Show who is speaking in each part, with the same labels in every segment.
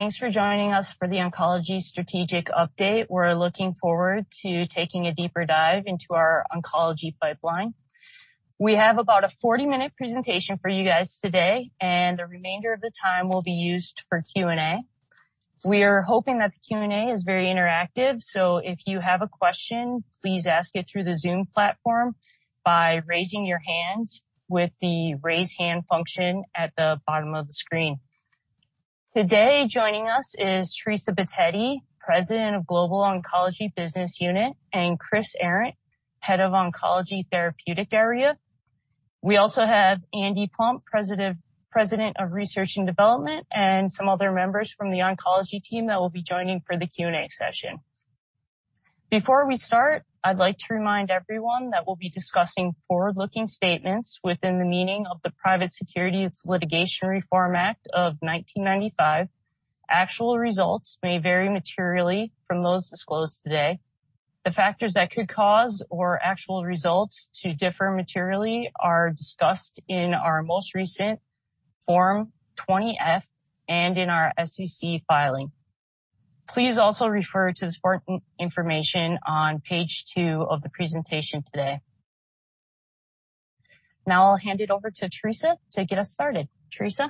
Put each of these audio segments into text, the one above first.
Speaker 1: Thanks for joining us for the Oncology Strategic Update. We're looking forward to taking a deeper dive into our oncology pipeline. We have about a 40-minute presentation for you guys today, and the remainder of the time will be used for Q&A. We are hoping that the Q&A is very interactive, so if you have a question, please ask it through the Zoom platform by raising your hand with the raise hand function at the bottom of the screen. Today, joining us is Teresa Bitetti, President of Global Oncology Business Unit, and Chris Arendt, Head of Oncology Therapeutic Area. We also have Andy Plump, President of Research and Development, and some other members from the oncology team that will be joining for the Q&A session. Before we start, I'd like to remind everyone that we'll be discussing forward-looking statements within the meaning of the Private Securities Litigation Reform Act of 1995. Actual results may vary materially from those disclosed today. The factors that could cause our actual results to differ materially are discussed in our most recent Form 20-F and in our SEC filing. Please also refer to the important information on page two of the presentation today. Now I'll hand it over to Teresa to get us started. Teresa.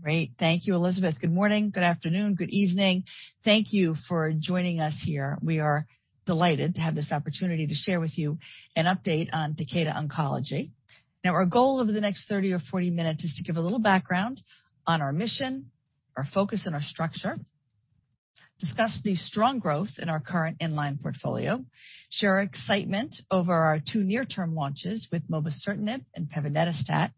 Speaker 2: Great. Thank you, Elizabeth. Good morning, good afternoon, good evening. Thank you for joining us here. We are delighted to have this opportunity to share with you an update on Takeda Oncology. Now, our goal over the next 30 or 40 minutes is to give a little background on our mission, our focus, and our structure, discuss the strong growth in our current in-line portfolio, share excitement over our two near-term launches with mobocertinib and pevonedistat,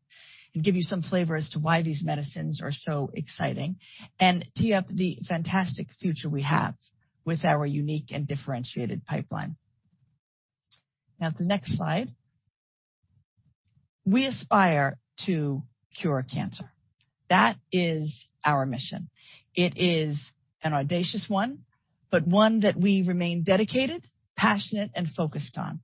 Speaker 2: and give you some flavor as to why these medicines are so exciting, and tee up the fantastic future we have with our unique and differentiated pipeline. Now, the next slide. We aspire to cure cancer. That is our mission. It is an audacious one, but one that we remain dedicated, passionate, and focused on.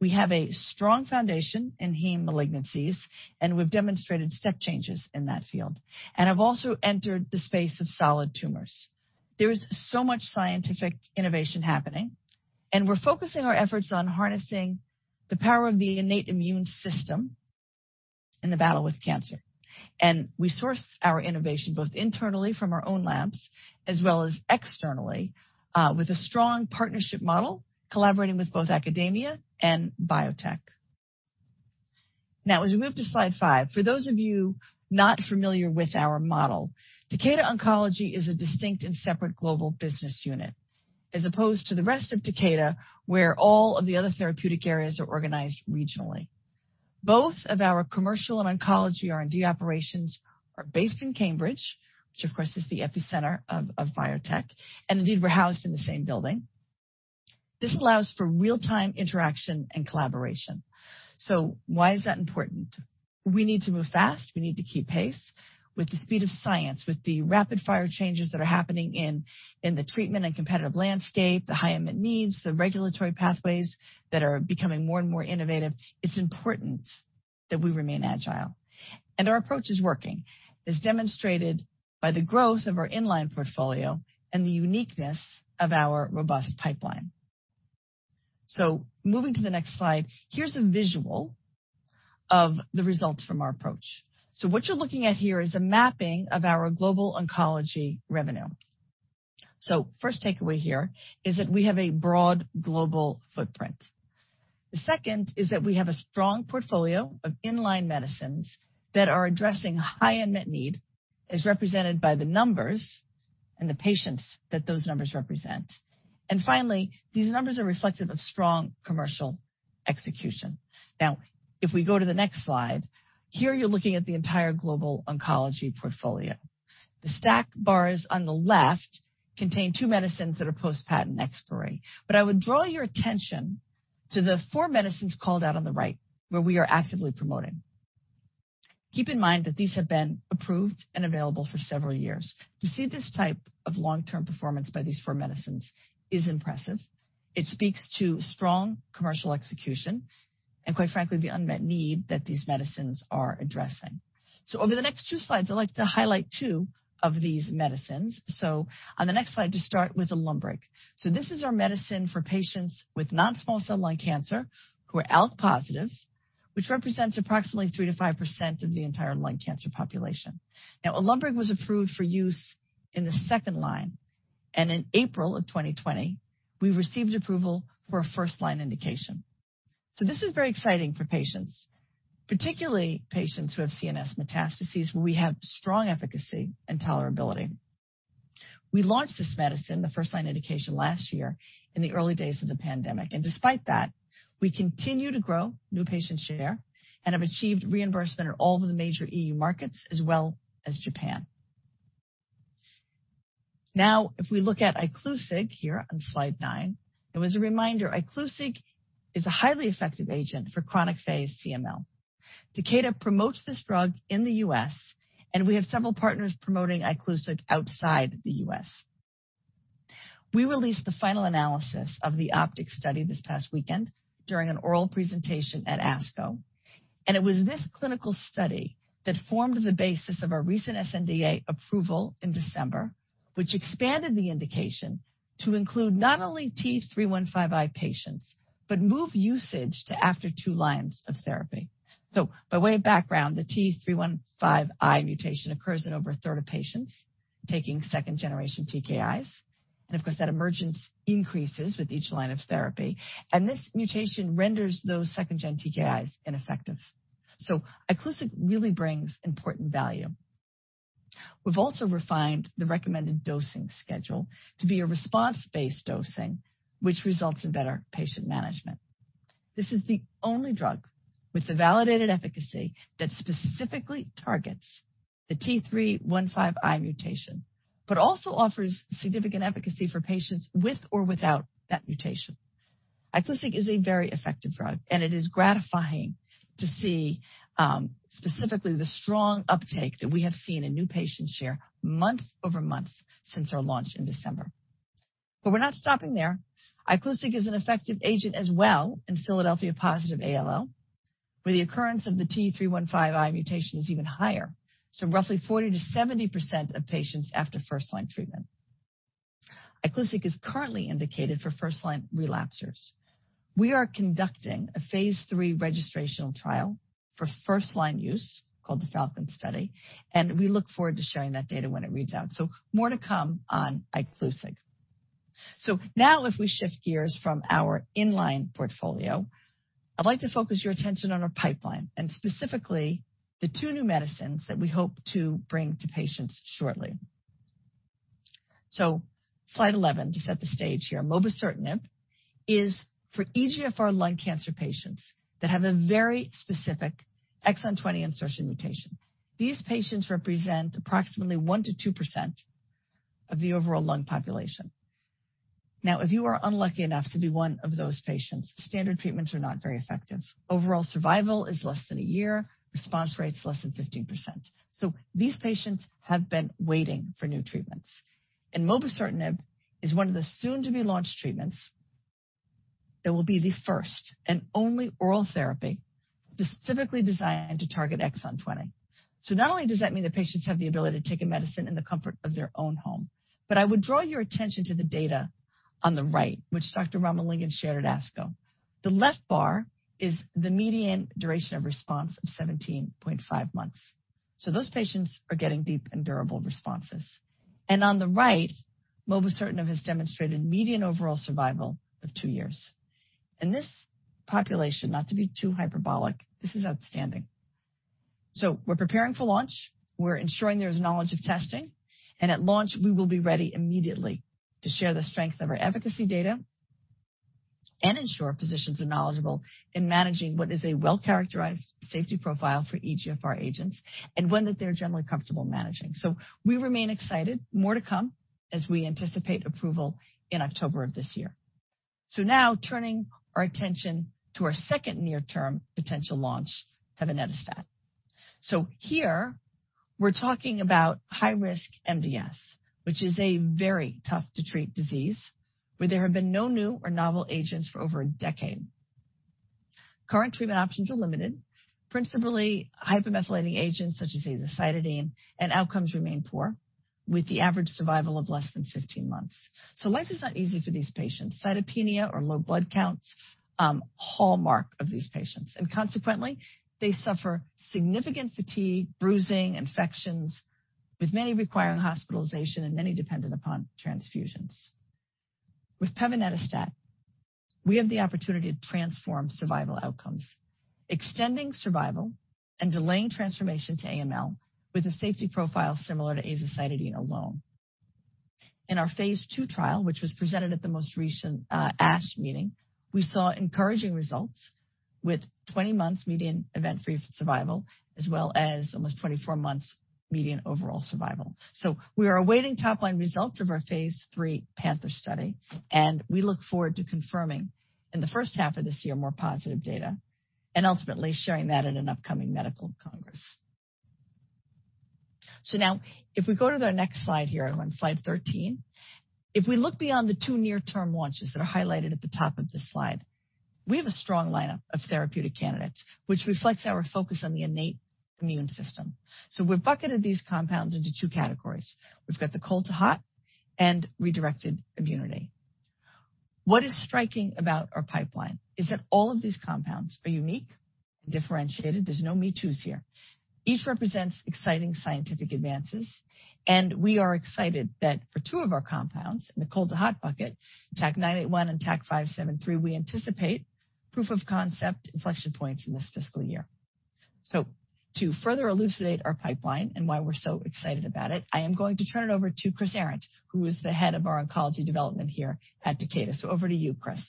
Speaker 2: We have a strong foundation in heme malignancies, and we've demonstrated step changes in that field. And I've also entered the space of solid tumors. There is so much scientific innovation happening, and we're focusing our efforts on harnessing the power of the innate immune system in the battle with cancer. And we source our innovation both internally from our own labs as well as externally with a strong partnership model collaborating with both academia and biotech. Now, as we move to Slide 5, for those of you not familiar with our model, Takeda Oncology is a distinct and separate global business unit as opposed to the rest of Takeda, where all of the other therapeutic areas are organized regionally. Both of our commercial and oncology R&D operations are based in Cambridge, which, of course, is the epicenter of biotech, and indeed, we're housed in the same building. This allows for real-time interaction and collaboration. So why is that important? We need to move fast. We need to keep pace with the speed of science, with the rapid-fire changes that are happening in the treatment and competitive landscape, the high unmet needs, the regulatory pathways that are becoming more and more innovative. It's important that we remain agile. Our approach is working, as demonstrated by the growth of our in-line portfolio and the uniqueness of our robust pipeline. Moving to the next slide, here's a visual of the results from our approach. What you're looking at here is a mapping of our global oncology revenue. First takeaway here is that we have a broad global footprint. The second is that we have a strong portfolio of in-line medicines that are addressing high unmet need, as represented by the numbers and the patients that those numbers represent. Finally, these numbers are reflective of strong commercial execution. Now, if we go to the next slide, here you're looking at the entire global oncology portfolio. The stack bars on the left contain two medicines that are post-patent expiry. But I would draw your attention to the four medicines called out on the right, where we are actively promoting. Keep in mind that these have been approved and available for several years. To see this type of long-term performance by these four medicines is impressive. It speaks to strong commercial execution and, quite frankly, the unmet need that these medicines are addressing. So over the next two slides, I'd like to highlight two of these medicines. So on the next slide, to start with ALUNBRIG. So this is our medicine for patients with non-small cell lung cancer who are ALK+, which represents approximately 3% to 5% of the entire lung cancer population. Now, ALUNBRIG was approved for use in the second line, and in April of 2020, we received approval for a first-line indication. So this is very exciting for patients, particularly patients who have CNS metastases, where we have strong efficacy and tolerability. We launched this medicine, the first-line indication, last year in the early days of the pandemic. And despite that, we continue to grow, new patient share, and have achieved reimbursement in all of the major EU markets, as well as Japan. Now, if we look at ICLUSIG here on slide nine, it was a reminder Iclusig is a highly effective agent for chronic phase CML. Takeda promotes this drug in the U.S., and we have several partners promoting Iclusig outside the U.S. We released the final analysis of the OPTIC study this past weekend during an oral presentation at ASCO. It was this clinical study that formed the basis of our recent sNDA approval in December, which expanded the indication to include not only T315I patients, but move usage to after two lines of therapy. By way of background, the T315I mutation occurs in over a third of patients taking second-generation TKIs. Of course, that emergence increases with each line of therapy. This mutation renders those second-gen TKIs ineffective. Iclusig really brings important value. We have also refined the recommended dosing schedule to be a response-based dosing, which results in better patient management. This is the only drug with the validated efficacy that specifically targets the T315I mutation, but also offers significant efficacy for patients with or without that mutation. ICLUSIG is a very effective drug, and it is gratifying to see specifically the strong uptake that we have seen in new patients share month over month since our launch in December. But we're not stopping there. ICLUSIG is an effective agent as well in Philadelphia positive ALL, where the occurrence of the T315I mutation is even higher, so roughly 40%-70% of patients after first-line treatment. ICLUSIG is currently indicated for first-line relapsers. We are conducting a phase III registration trial for first-line use called the PhALLCON study, and we look forward to sharing that data when it reads out. So more to come on ICLUSIG. So now, if we shift gears from our in-line portfolio, I'd like to focus your attention on our pipeline and specifically the two new medicines that we hope to bring to patients shortly. So Slide 11 to set the stage here. Mobocertinib is for EGFR lung cancer patients that have a very specific Exon20 insertion mutation. These patients represent approximately 1%-2% of the overall lung population. Now, if you are unlucky enough to be one of those patients, standard treatments are not very effective. Overall survival is less than a year, response rates less than 15%. So these patients have been waiting for new treatments. And mobocertinib is one of the soon-to-be-launched treatments that will be the first and only oral therapy specifically designed to target Exon20. So not only does that mean the patients have the ability to take a medicine in the comfort of their own home, but I would draw your attention to the data on the right, which Dr. Ramalingam shared at ASCO. The left bar is the median duration of response of 17.5 months. Those patients are getting deep and durable responses. On the right, mobocertinib has demonstrated median overall survival of two years. This population, not to be too hyperbolic, is outstanding. We're preparing for launch. We're ensuring there is knowledge of testing. At launch, we will be ready immediately to share the strength of our efficacy data and ensure physicians are knowledgeable in managing what is a well-characterized safety profile for EGFR agents and one that they're generally comfortable managing. We remain excited. More to come as we anticipate approval in October of this year. Now turning our attention to our second near-term potential launch, pevonedistat. Here, we're talking about high-risk MDS, which is a very tough-to-treat disease where there have been no new or novel agents for over a decade. Current treatment options are limited. Principally, hypermethylating agents such as azacitidine and outcomes remain poor, with the average survival of less than 15 months, so life is not easy for these patients. Cytopenia or low blood counts are a hallmark of these patients. And consequently, they suffer significant fatigue, bruising, infections, with many requiring hospitalization and many dependent upon transfusions. With pevonedistat, we have the opportunity to transform survival outcomes, extending survival and delaying transformation to AML with a safety profile similar to azacitidine alone. In our phase II trial, which was presented at the most recent ASH meeting, we saw encouraging results with 20 months median event-free survival as well as almost 24 months median overall survival. We are awaiting top-line results of our phase III PANTHER study, and we look forward to confirming in the first half of this year more positive data and ultimately sharing that at an upcoming medical congress. So now, if we go to the next slide here, on Slide 13, if we look beyond the two near-term launches that are highlighted at the top of this slide, we have a strong lineup of therapeutic candidates, which reflects our focus on the innate immune system. So we've bucketed these compounds into two categories. We've got the cold to hot and redirected immunity. What is striking about our pipeline is that all of these compounds are unique and differentiated. There's no me toos here. Each represents exciting scientific advances. And we are excited that for two of our compounds in the cold-to-hot bucket, TAK-981 and TAK-573, we anticipate proof of concept inflection points in this fiscal year. So to further elucidate our pipeline and why we're so excited about it, I am going to turn it over to Chris Arendt, who is the head of our oncology development here at Takeda. So over to you, Chris.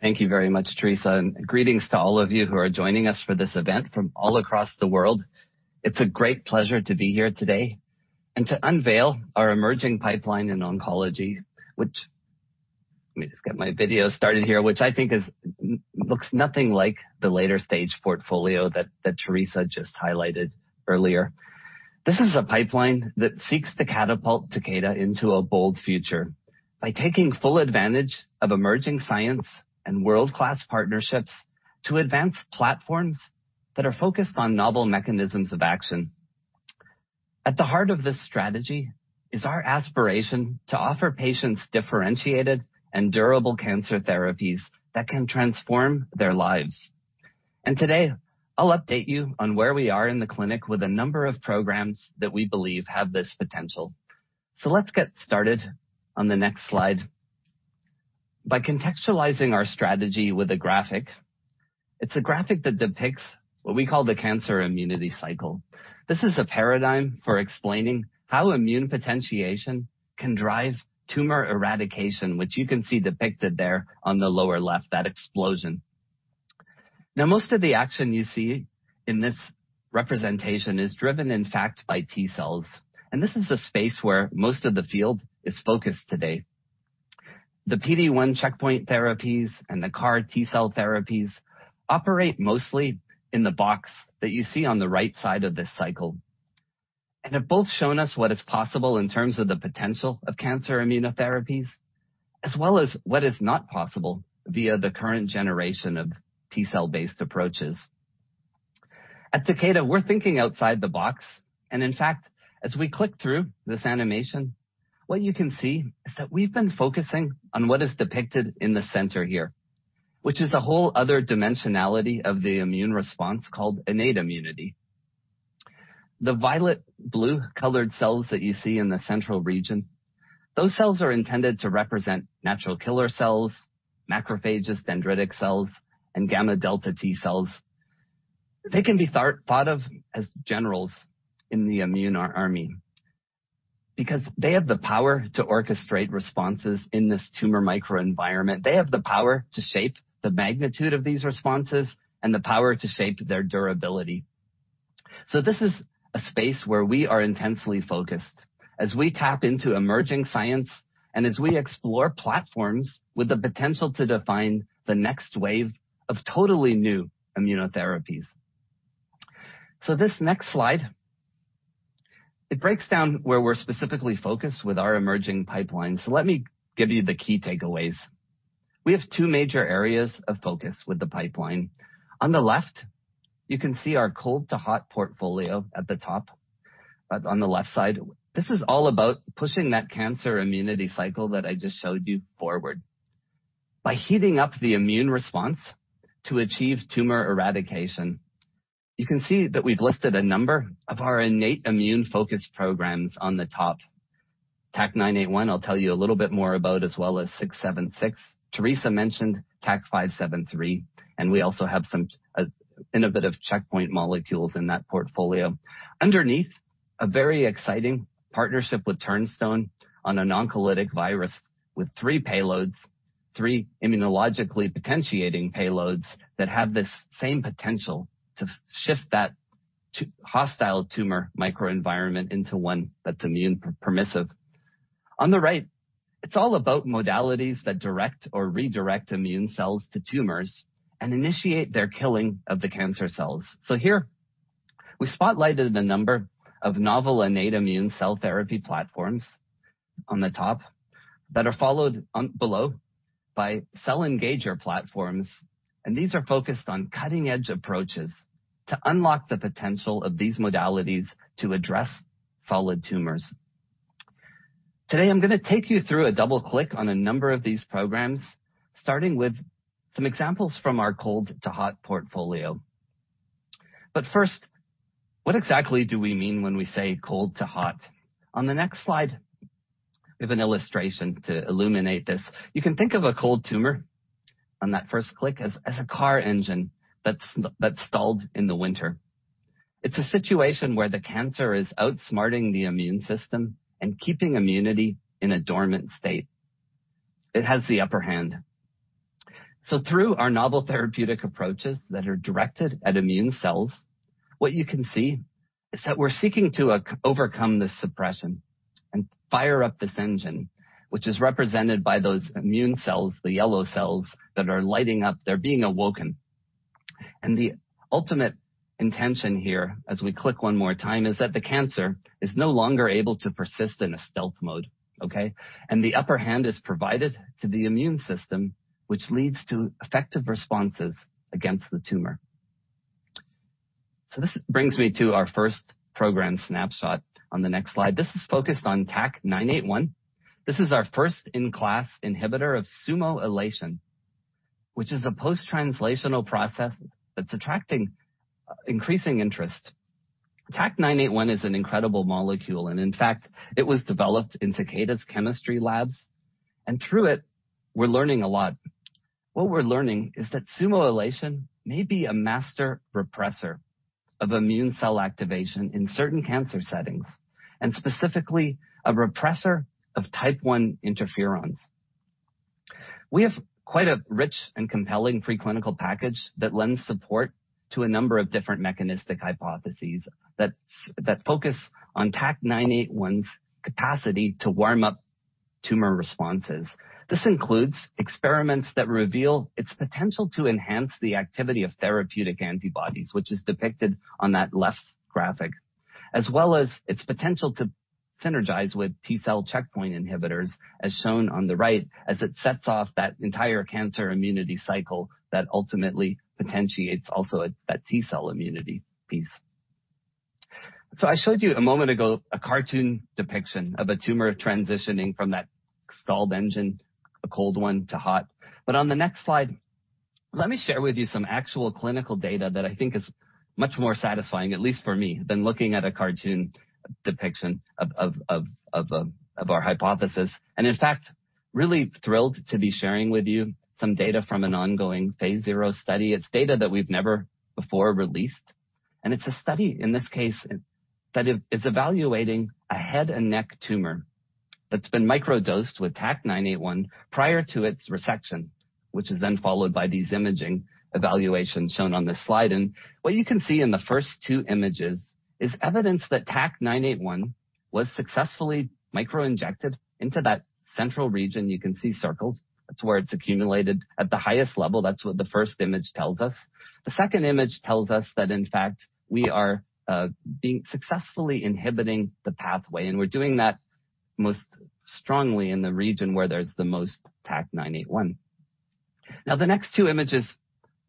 Speaker 3: Thank you very much, Teresa. Greetings to all of you who are joining us for this event from all across the world. It's a great pleasure to be here today and to unveil our emerging pipeline in oncology, which let me just get my video started here, which I think looks nothing like the later-stage portfolio that Teresa just highlighted earlier. This is a pipeline that seeks to catapult Takeda into a bold future by taking full advantage of emerging science and world-class partnerships to advance platforms that are focused on novel mechanisms of action. At the heart of this strategy is our aspiration to offer patients differentiated and durable cancer therapies that can transform their lives. Today, I'll update you on where we are in the clinic with a number of programs that we believe have this potential. Let's get started on the next slide. By contextualizing our strategy with a graphic, it's a graphic that depicts what we call the cancer immunity cycle. This is a paradigm for explaining how immune potentiation can drive tumor eradication, which you can see depicted there on the lower left, that explosion. Now, most of the action you see in this representation is driven, in fact, by T cells. And this is the space where most of the field is focused today. The PD-1 checkpoint therapies and the CAR T-cell therapies operate mostly in the box that you see on the right side of this cycle. And they've both shown us what is possible in terms of the potential of cancer immunotherapies, as well as what is not possible via the current generation of T cell-based approaches. At Takeda, we're thinking outside the box. In fact, as we click through this animation, what you can see is that we've been focusing on what is depicted in the center here, which is a whole other dimensionality of the immune response called innate immunity. The violet-blue colored cells that you see in the central region, those cells are intended to represent natural killer cells, macrophages, dendritic cells, and gamma delta T cells. They can be thought of as generals in the immune army because they have the power to orchestrate responses in this tumor microenvironment. They have the power to shape the magnitude of these responses and the power to shape their durability. This is a space where we are intensely focused as we tap into emerging science and as we explore platforms with the potential to define the next wave of totally new immunotherapies. This next slide breaks down where we're specifically focused with our emerging pipeline. Let me give you the key takeaways. We have two major areas of focus with the pipeline. On the left, you can see our cold-to-hot portfolio at the top. On the left side, this is all about pushing that cancer immunity cycle that I just showed you forward by heating up the immune response to achieve tumor eradication. You can see that we've listed a number of our innate immune-focused programs on the top. TAK-981, I'll tell you a little bit more about, as well as TAK-676. Teresa mentioned TAK-573. We also have some innovative checkpoint molecules in that portfolio. Underneath, a very exciting partnership with Turnstone on an oncolytic virus with three payloads, three immunologically potentiating payloads that have this same potential to shift that hostile tumor microenvironment into one that's immune permissive. On the right, it's all about modalities that direct or redirect immune cells to tumors and initiate their killing of the cancer cells. So here, we spotlighted a number of novel innate immune cell therapy platforms on the top that are followed below by cell engager platforms. And these are focused on cutting-edge approaches to unlock the potential of these modalities to address solid tumors. Today, I'm going to take you through a double click on a number of these programs, starting with some examples from our cold-to-hot portfolio. But first, what exactly do we mean when we say cold to hot? On the next slide, we have an illustration to illuminate this. You can think of a cold tumor on that first click as a car engine that's stalled in the winter. It's a situation where the cancer is outsmarting the immune system and keeping immunity in a dormant state. It has the upper hand. So through our novel therapeutic approaches that are directed at immune cells, what you can see is that we're seeking to overcome this suppression and fire up this engine, which is represented by those immune cells, the yellow cells that are lighting up. They're being awoken. And the ultimate intention here, as we click one more time, is that the cancer is no longer able to persist in a stealth mode, okay? And the upper hand is provided to the immune system, which leads to effective responses against the tumor. So this brings me to our first program snapshot on the next slide. This is focused on TAK-981. This is our first-in-class inhibitor of SUMOylation, which is a post-translational process that's attracting increasing interest. TAK-981 is an incredible molecule. And in fact, it was developed in Takeda's chemistry labs. And through it, we're learning a lot. What we're learning is that SUMOylation may be a master repressor of immune cell activation in certain cancer settings and specifically a repressor of type I interferons. We have quite a rich and compelling preclinical package that lends support to a number of different mechanistic hypotheses that focus on TAK-981's capacity to warm up tumor responses. This includes experiments that reveal its potential to enhance the activity of therapeutic antibodies, which is depicted on that left graphic, as well as its potential to synergize with T cell checkpoint inhibitors, as shown on the right, as it sets off that entire cancer immunity cycle that ultimately potentiates also that T cell immunity piece, so I showed you a moment ago a cartoon depiction of a tumor transitioning from that stalled engine, a cold one to hot, but on the next slide, let me share with you some actual clinical data that I think is much more satisfying, at least for me, than looking at a cartoon depiction of our hypothesis, and in fact, really thrilled to be sharing with you some data from an ongoing phase 0 study. It's data that we've never before released. It's a study, in this case, that is evaluating a head and neck tumor that's been microdosed with TAK-981 prior to its resection, which is then followed by these imaging evaluations shown on this slide. What you can see in the first two images is evidence that TAK-981 was successfully microinjected into that central region. You can see circles. That's where it's accumulated at the highest level. That's what the first image tells us. The second image tells us that, in fact, we are successfully inhibiting the pathway. We're doing that most strongly in the region where there's the most TAK-981. Now, the next two images,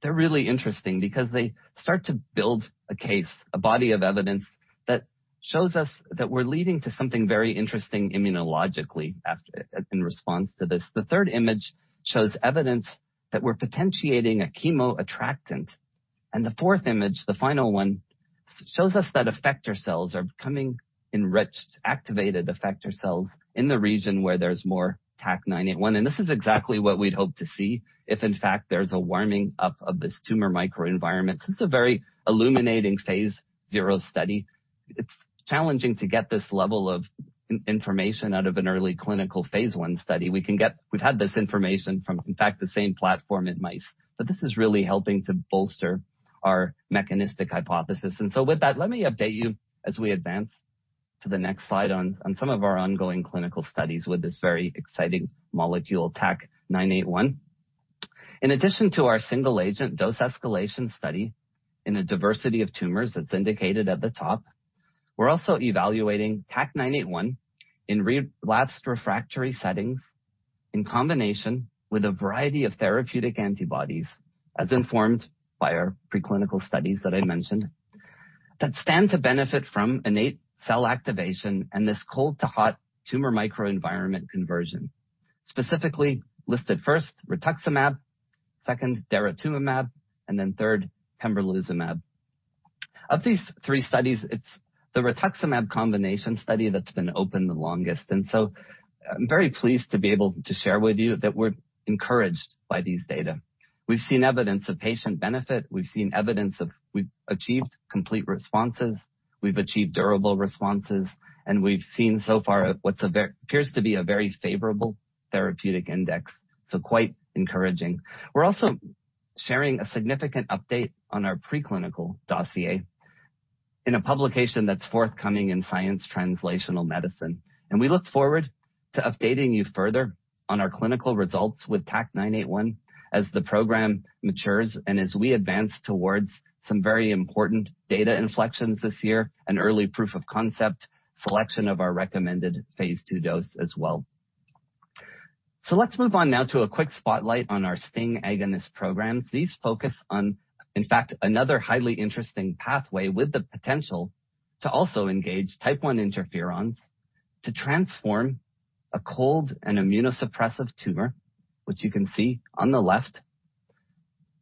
Speaker 3: they're really interesting because they start to build a case, a body of evidence that shows us that we're leading to something very interesting immunologically in response to this. The third image shows evidence that we're potentiating a chemoattractant. And the fourth image, the final one, shows us that effector cells are becoming enriched, activated effector cells in the region where there's more TAK-981. And this is exactly what we'd hope to see if, in fact, there's a warming up of this tumor microenvironment. So it's a very illuminating phase 0 study. It's challenging to get this level of information out of an early clinical phase I study. We've had this information from, in fact, the same platform in mice. But this is really helping to bolster our mechanistic hypothesis. And so with that, let me update you as we advance to the next slide on some of our ongoing clinical studies with this very exciting molecule, TAK-981. In addition to our single-agent dose escalation study in a diversity of tumors that's indicated at the top, we're also evaluating TAK-981 in relapsed refractory settings in combination with a variety of therapeutic antibodies, as informed by our preclinical studies that I mentioned, that stand to benefit from innate cell activation and this cold-to-hot tumor microenvironment conversion. Specifically listed first, rituximab, second, daratumumab, and then third, pembrolizumab. Of these three studies, it's the rituximab combination study that's been opened the longest. And so I'm very pleased to be able to share with you that we're encouraged by these data. We've seen evidence of patient benefit. We've achieved complete responses. We've achieved durable responses. And we've seen so far what appears to be a very favorable therapeutic index. So quite encouraging. We're also sharing a significant update on our preclinical dossier in a publication that's forthcoming in Science Translational Medicine. And we look forward to updating you further on our clinical results with TAK-981 as the program matures and as we advance towards some very important data inflections this year and early proof of concept selection of our recommended phase two dose as well. So let's move on now to a quick spotlight on our STING agonist programs. These focus on, in fact, another highly interesting pathway with the potential to also engage type I interferons to transform a cold and immunosuppressive tumor, which you can see on the left,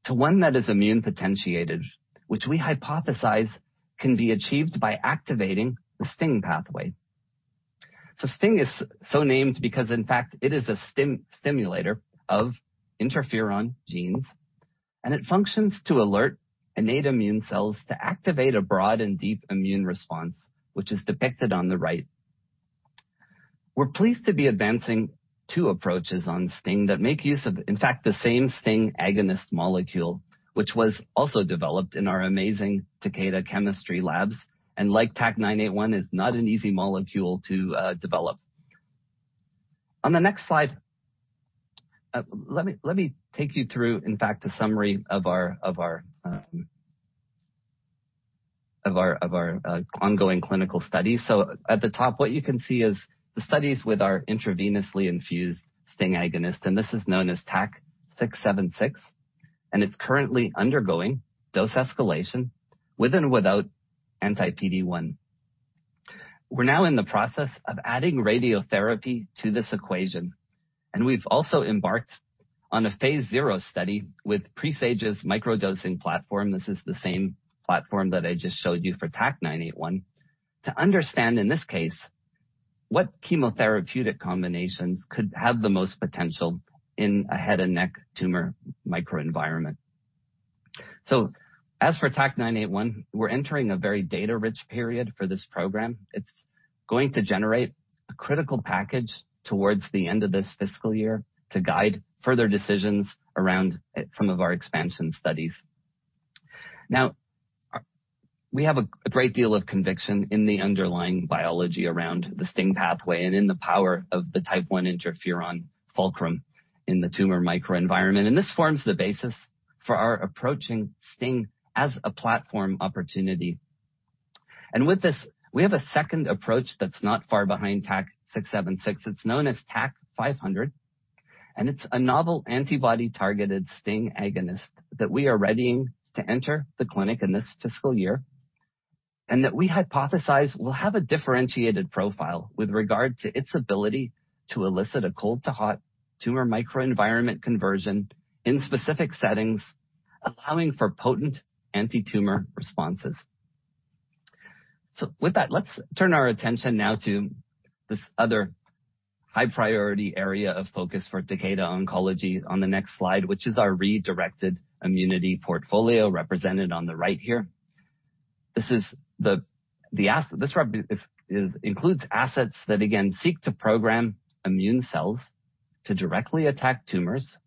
Speaker 3: to one that is immune potentiated, which we hypothesize can be achieved by activating the STING pathway. So STING is so named because, in fact, it is a stimulator of interferon genes. It functions to alert innate immune cells to activate a broad and deep immune response, which is depicted on the right. We're pleased to be advancing two approaches on STING that make use of, in fact, the same STING agonist molecule, which was also developed in our amazing Takeda Chemistry Labs. Like TAK-981, it is not an easy molecule to develop. On the next slide, let me take you through, in fact, a summary of our ongoing clinical study. At the top, what you can see is the studies with our intravenously infused STING agonist. This is known as TAK-676. It's currently undergoing dose escalation with and without anti-PD-1. We're now in the process of adding radiotherapy to this equation. We've also embarked on a phase 0 study with Presage's microdosing platform. This is the same platform that I just showed you for TAK-981 to understand, in this case, what chemotherapeutic combinations could have the most potential in a head and neck tumor microenvironment, so as for TAK-981, we're entering a very data-rich period for this program. It's going to generate a critical package towards the end of this fiscal year to guide further decisions around some of our expansion studies. Now, we have a great deal of conviction in the underlying biology around the STING pathway and in the power of the type I interferon fulcrum in the tumor microenvironment, and this forms the basis for our approaching STING as a platform opportunity, and with this, we have a second approach that's not far behind TAK-676. It's known as TAK-500. It's a novel antibody-targeted STING agonist that we are readying to enter the clinic in this fiscal year and that we hypothesize will have a differentiated profile with regard to its ability to elicit a cold to hot tumor microenvironment conversion in specific settings, allowing for potent anti-tumor responses. With that, let's turn our attention now to this other high-priority area of focus for Takeda Oncology on the next slide, which is our redirected immunity portfolio represented on the right here. This includes assets that, again, seek to program immune cells to directly attack tumors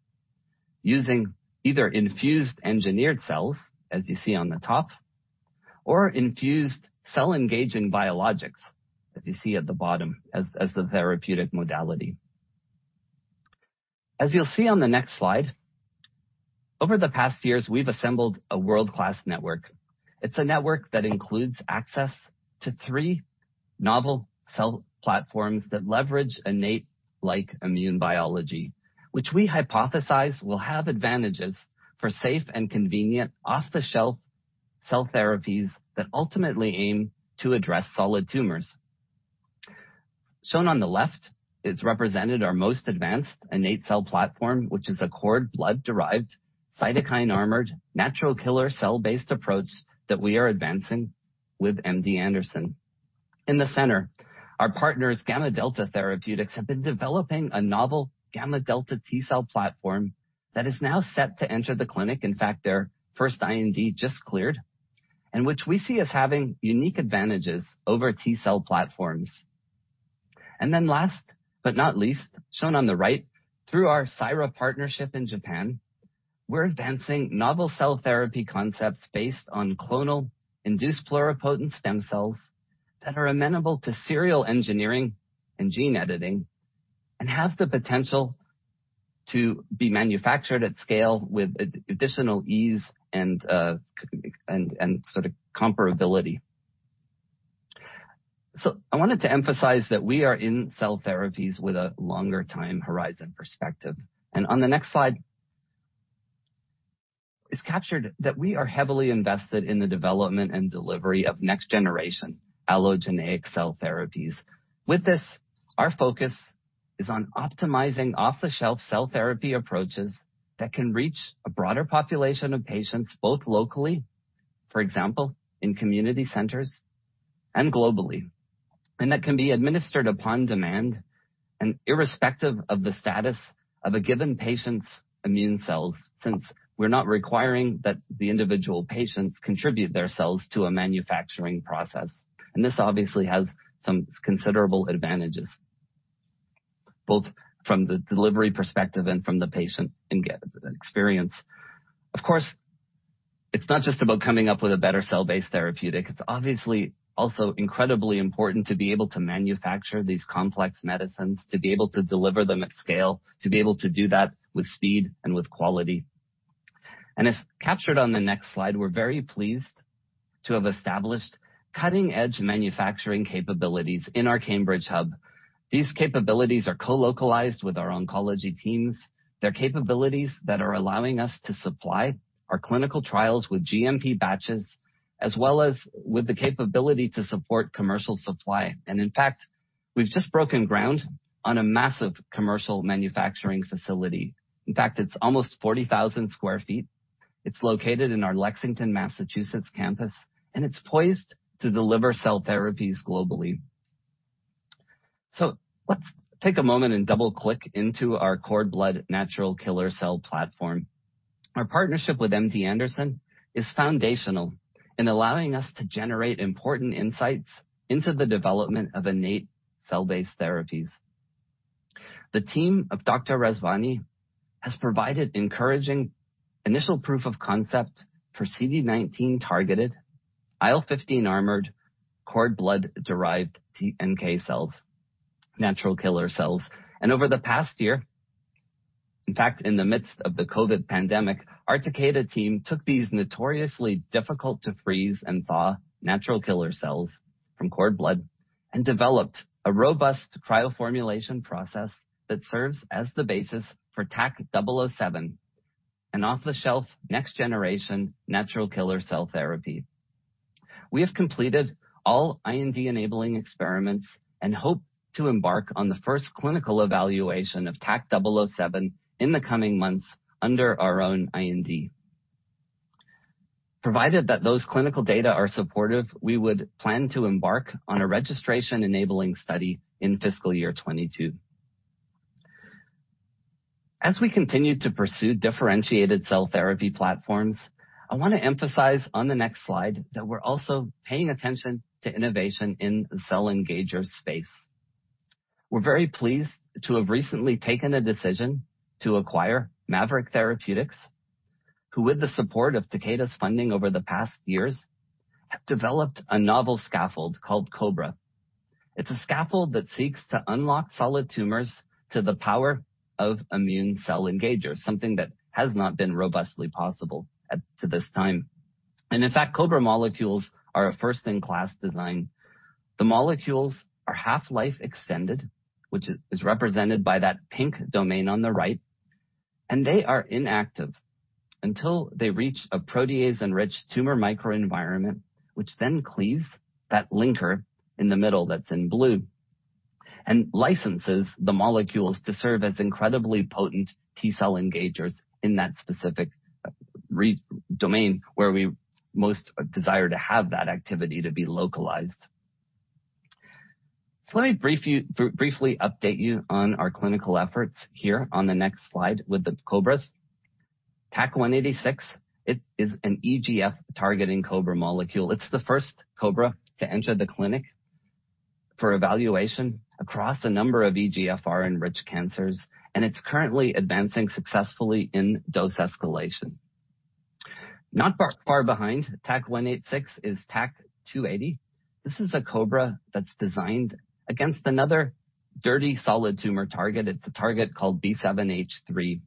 Speaker 3: using either infused engineered cells, as you see on the top, or infused cell engaging biologics, as you see at the bottom, as the therapeutic modality. As you'll see on the next slide, over the past years, we've assembled a world-class network. It's a network that includes access to three novel cell platforms that leverage innate-like immune biology, which we hypothesize will have advantages for safe and convenient off-the-shelf cell therapies that ultimately aim to address solid tumors. Shown on the left, it's represented our most advanced innate cell platform, which is a cord blood-derived, cytokine-armored, natural killer cell-based approach that we are advancing with MD Anderson. In the center, our partners, Gamma Delta Therapeutics, have been developing a novel gamma delta T cell platform that is now set to enter the clinic. In fact, their first IND just cleared, and which we see as having unique advantages over T cell platforms. And then last but not least, shown on the right, through our CiRA partnership in Japan, we're advancing novel cell therapy concepts based on clonal induced pluripotent stem cells that are amenable to serial engineering and gene editing and have the potential to be manufactured at scale with additional ease and sort of comparability. So I wanted to emphasize that we are in cell therapies with a longer time horizon perspective. And on the next slide, it's captured that we are heavily invested in the development and delivery of next-generation allogeneic cell therapies. With this, our focus is on optimizing off-the-shelf cell therapy approaches that can reach a broader population of patients, both locally, for example, in community centers, and globally, and that can be administered upon demand and irrespective of the status of a given patient's immune cells, since we're not requiring that the individual patients contribute their cells to a manufacturing process. And this obviously has some considerable advantages, both from the delivery perspective and from the patient experience. Of course, it's not just about coming up with a better cell-based therapeutic. It's obviously also incredibly important to be able to manufacture these complex medicines, to be able to deliver them at scale, to be able to do that with speed and with quality. And as captured on the next slide, we're very pleased to have established cutting-edge manufacturing capabilities in our Cambridge hub. These capabilities are co-localized with our oncology teams. They're capabilities that are allowing us to supply our clinical trials with GMP batches, as well as with the capability to support commercial supply. And in fact, we've just broken ground on a massive commercial manufacturing facility. In fact, it's almost 40,000 sq ft. It's located in our Lexington, Massachusetts campus. And it's poised to deliver cell therapies globally. So let's take a moment and double-click into our cord blood natural killer cell platform. Our partnership with MD Anderson is foundational in allowing us to generate important insights into the development of innate cell-based therapies. The team of Dr. Rezvani has provided encouraging initial proof of concept for CD19-targeted, IL-15 armored, cord blood-derived NK cells, natural killer cells. Over the past year, in fact, in the midst of the COVID pandemic, our Takeda team took these notoriously difficult-to-freeze and thaw natural killer cells from cord blood and developed a robust cryoformulation process that serves as the basis for TAK-007, an off-the-shelf next-generation natural killer cell therapy. We have completed all IND-enabling experiments and hope to embark on the first clinical evaluation of TAK-007 in the coming months under our own IND. Provided that those clinical data are supportive, we would plan to embark on a registration-enabling study in fiscal year 2022. As we continue to pursue differentiated cell therapy platforms, I want to emphasize on the next slide that we're also paying attention to innovation in the cell engager space. We're very pleased to have recently taken a decision to acquire Maverick Therapeutics, who, with the support of Takeda's funding over the past years, have developed a novel scaffold called COBRA. It's a scaffold that seeks to unlock solid tumors to the power of immune cell engagers, something that has not been robustly possible to this time. And in fact, COBRA molecules are a first-in-class design. The molecules are half-life extended, which is represented by that pink domain on the right. And they are inactive until they reach a protease-enriched tumor microenvironment, which then cleaves that linker in the middle that's in blue and licenses the molecules to serve as incredibly potent T cell engagers in that specific domain where we most desire to have that activity to be localized. So let me briefly update you on our clinical efforts here on the next slide with the COBRAs. TAK-186, it is an EGFR-targeting COBRA molecule. It's the first COBRA to enter the clinic for evaluation across a number of EGFR-enriched cancers. And it's currently advancing successfully in dose escalation. Not far behind, TAK-186 is TAK-280. This is a COBRA that's designed against another difficult solid tumor target. It's a target called B7-H3.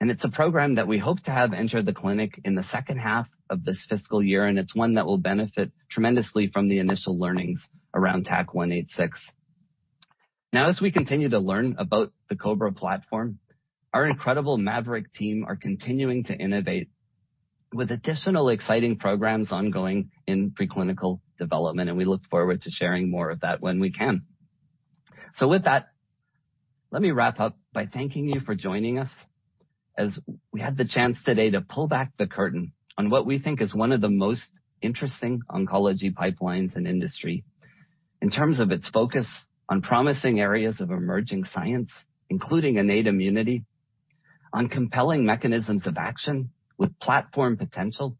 Speaker 3: And it's a program that we hope to have enter the clinic in the second half of this fiscal year. And it's one that will benefit tremendously from the initial learnings around TAK-186. Now, as we continue to learn about the COBRA platform, our incredible Maverick team are continuing to innovate with additional exciting programs ongoing in preclinical development. And we look forward to sharing more of that when we can. So with that, let me wrap up by thanking you for joining us as we had the chance today to pull back the curtain on what we think is one of the most interesting oncology pipelines in industry in terms of its focus on promising areas of emerging science, including innate immunity, on compelling mechanisms of action with platform potential,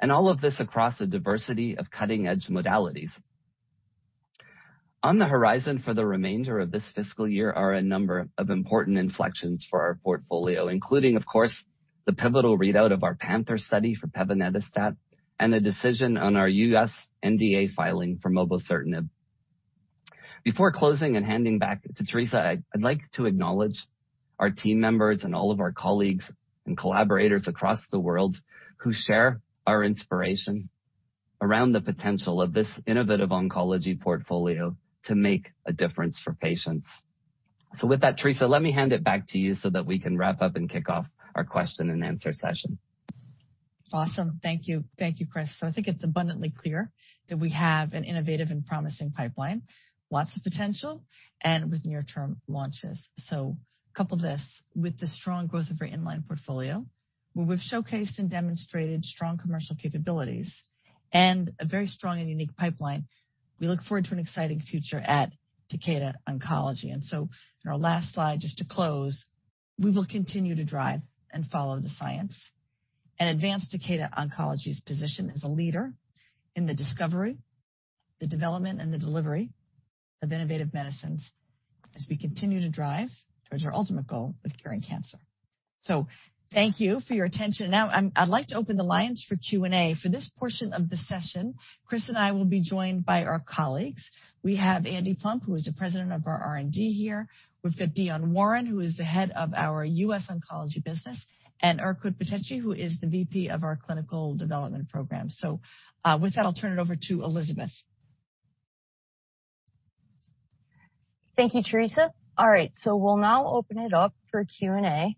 Speaker 3: and all of this across a diversity of cutting-edge modalities. On the horizon for the remainder of this fiscal year are a number of important inflections for our portfolio, including, of course, the pivotal readout of our PANTHER study for pevonedistat and the decision on our U.S. NDA filing for mobocertinib. Before closing and handing back to Teresa, I'd like to acknowledge our team members and all of our colleagues and collaborators across the world who share our inspiration around the potential of this innovative oncology portfolio to make a difference for patients. So with that, Teresa, let me hand it back to you so that we can wrap up and kick off our question and answer session.
Speaker 2: Awesome. Thank you. Thank you, Chris. So I think it's abundantly clear that we have an innovative and promising pipeline, lots of potential, and with near-term launches. So a couple of this. With the strong growth of our inline portfolio, where we've showcased and demonstrated strong commercial capabilities and a very strong and unique pipeline, we look forward to an exciting future at Takeda Oncology. In our last slide, just to close, we will continue to drive and follow the science and advance Takeda Oncology's position as a leader in the discovery, the development, and the delivery of innovative medicines as we continue to drive towards our ultimate goal of curing cancer. Thank you for your attention. Now, I'd like to open the lines for Q&A. For this portion of the session, Chris and I will be joined by our colleagues. We have Andy Plump, who is the president of our R&D here. We've got Dion Warren, who is the head of our U.S. oncology business, and Erkut Bahceci, who is the VP of our clinical development program. With that, I'll turn it over to Elizabeth.
Speaker 1: Thank you, Teresa. All right. We'll now open it up for Q&A.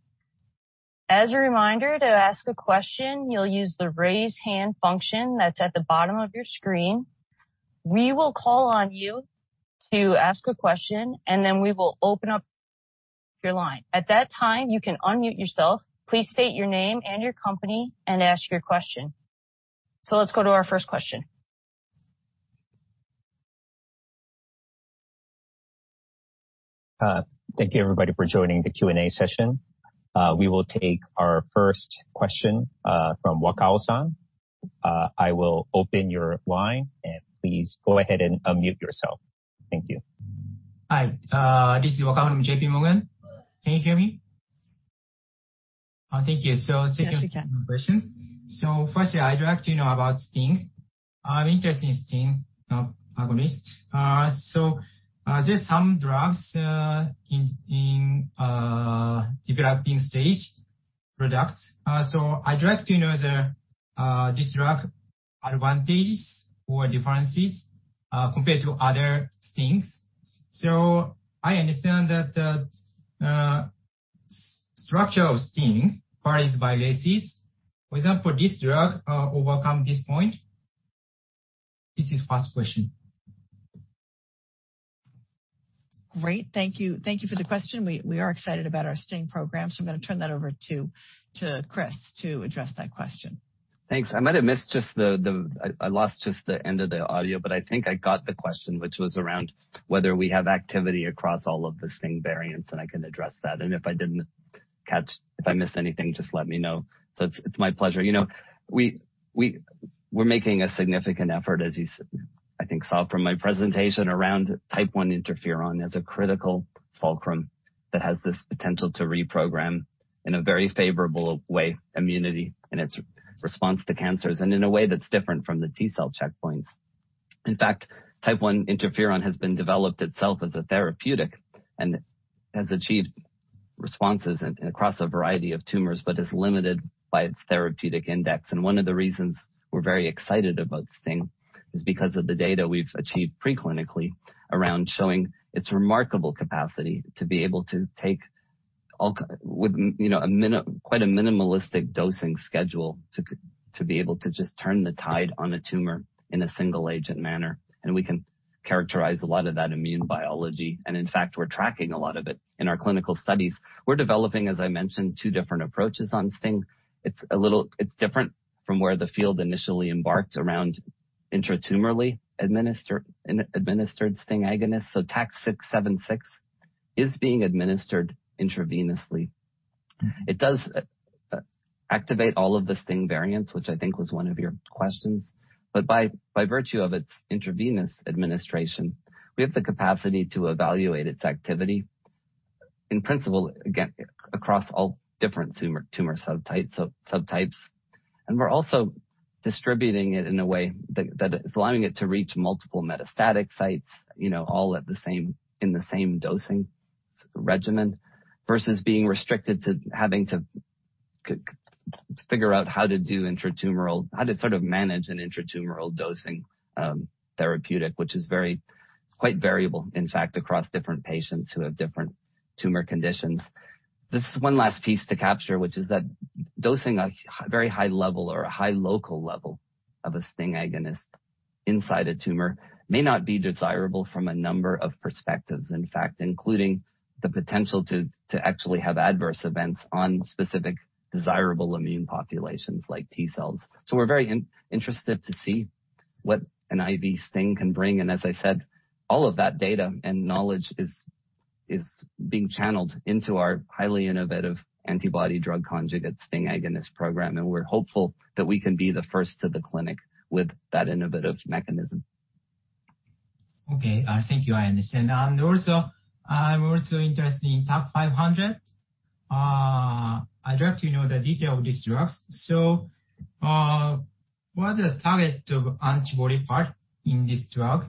Speaker 1: As a reminder, to ask a question, you'll use the raise hand function that's at the bottom of your screen. We will call on you to ask a question, and then we will open up your line. At that time, you can unmute yourself. Please state your name and your company and ask your question. So let's go to our first question.
Speaker 3: Thank you, everybody, for joining the Q&A session. We will take our first question from Wakao-san. I will open your line, and please go ahead and unmute yourself. Thank you.
Speaker 4: Hi. This is Wakao-san. I'm J.P. Morgan. Can you hear me? Thank you. So thank you for the question. So first, I'd like to know about STING. I'm interested in STING, not agonist. So there are some drugs in developing stage products. So I'd like to know the drug advantages or differences compared to other STINGs. I understand that the structure of STING varies by race. For example, this drug overcomes this point? This is the first question.
Speaker 2: Great. Thank you. Thank you for the question. We are excited about our STING program. So I'm going to turn that over to Chris to address that question.
Speaker 3: Thanks. I might have missed just the. I lost just the end of the audio, but I think I got the question, which was around whether we have activity across all of the STING variants. And I can address that. And if I didn't catch, if I missed anything, just let me know. So it's my pleasure. We're making a significant effort, as you, I think, saw from my presentation, around type I interferon as a critical fulcrum that has this potential to reprogram in a very favorable way immunity and its response to cancers and in a way that's different from the T cell checkpoints. In fact, type I interferon has been developed itself as a therapeutic and has achieved responses across a variety of tumors, but is limited by its therapeutic index. And one of the reasons we're very excited about STING is because of the data we've achieved preclinically around showing its remarkable capacity to be able to take quite a minimalistic dosing schedule to be able to just turn the tide on a tumor in a single-agent manner. And we can characterize a lot of that immune biology. And in fact, we're tracking a lot of it in our clinical studies. We're developing, as I mentioned, two different approaches on STING. It's different from where the field initially embarked around intratumorally administered STING agonists. So TAK-676 is being administered intravenously. It does activate all of the STING variants, which I think was one of your questions. But by virtue of its intravenous administration, we have the capacity to evaluate its activity in principle across all different tumor subtypes. And we're also distributing it in a way that is allowing it to reach multiple metastatic sites all in the same dosing regimen versus being restricted to having to figure out how to do intratumoral, how to sort of manage an intratumoral dosing therapeutic, which is quite variable, in fact, across different patients who have different tumor conditions. This is one last piece to capture, which is that dosing a very high level or a high local level of a STING agonist inside a tumor may not be desirable from a number of perspectives, in fact, including the potential to actually have adverse events on specific desirable immune populations like T cells. So we're very interested to see what an IV STING can bring. And as I said, all of that data and knowledge is being channeled into our highly innovative antibody drug conjugate STING agonist program. And we're hopeful that we can be the first to the clinic with that innovative mechanism.
Speaker 4: Okay. Thank you, I understand. I'm also interested in TAK-500. I'd like to know the detail of these drugs. So what are the target antibody parts in this drug?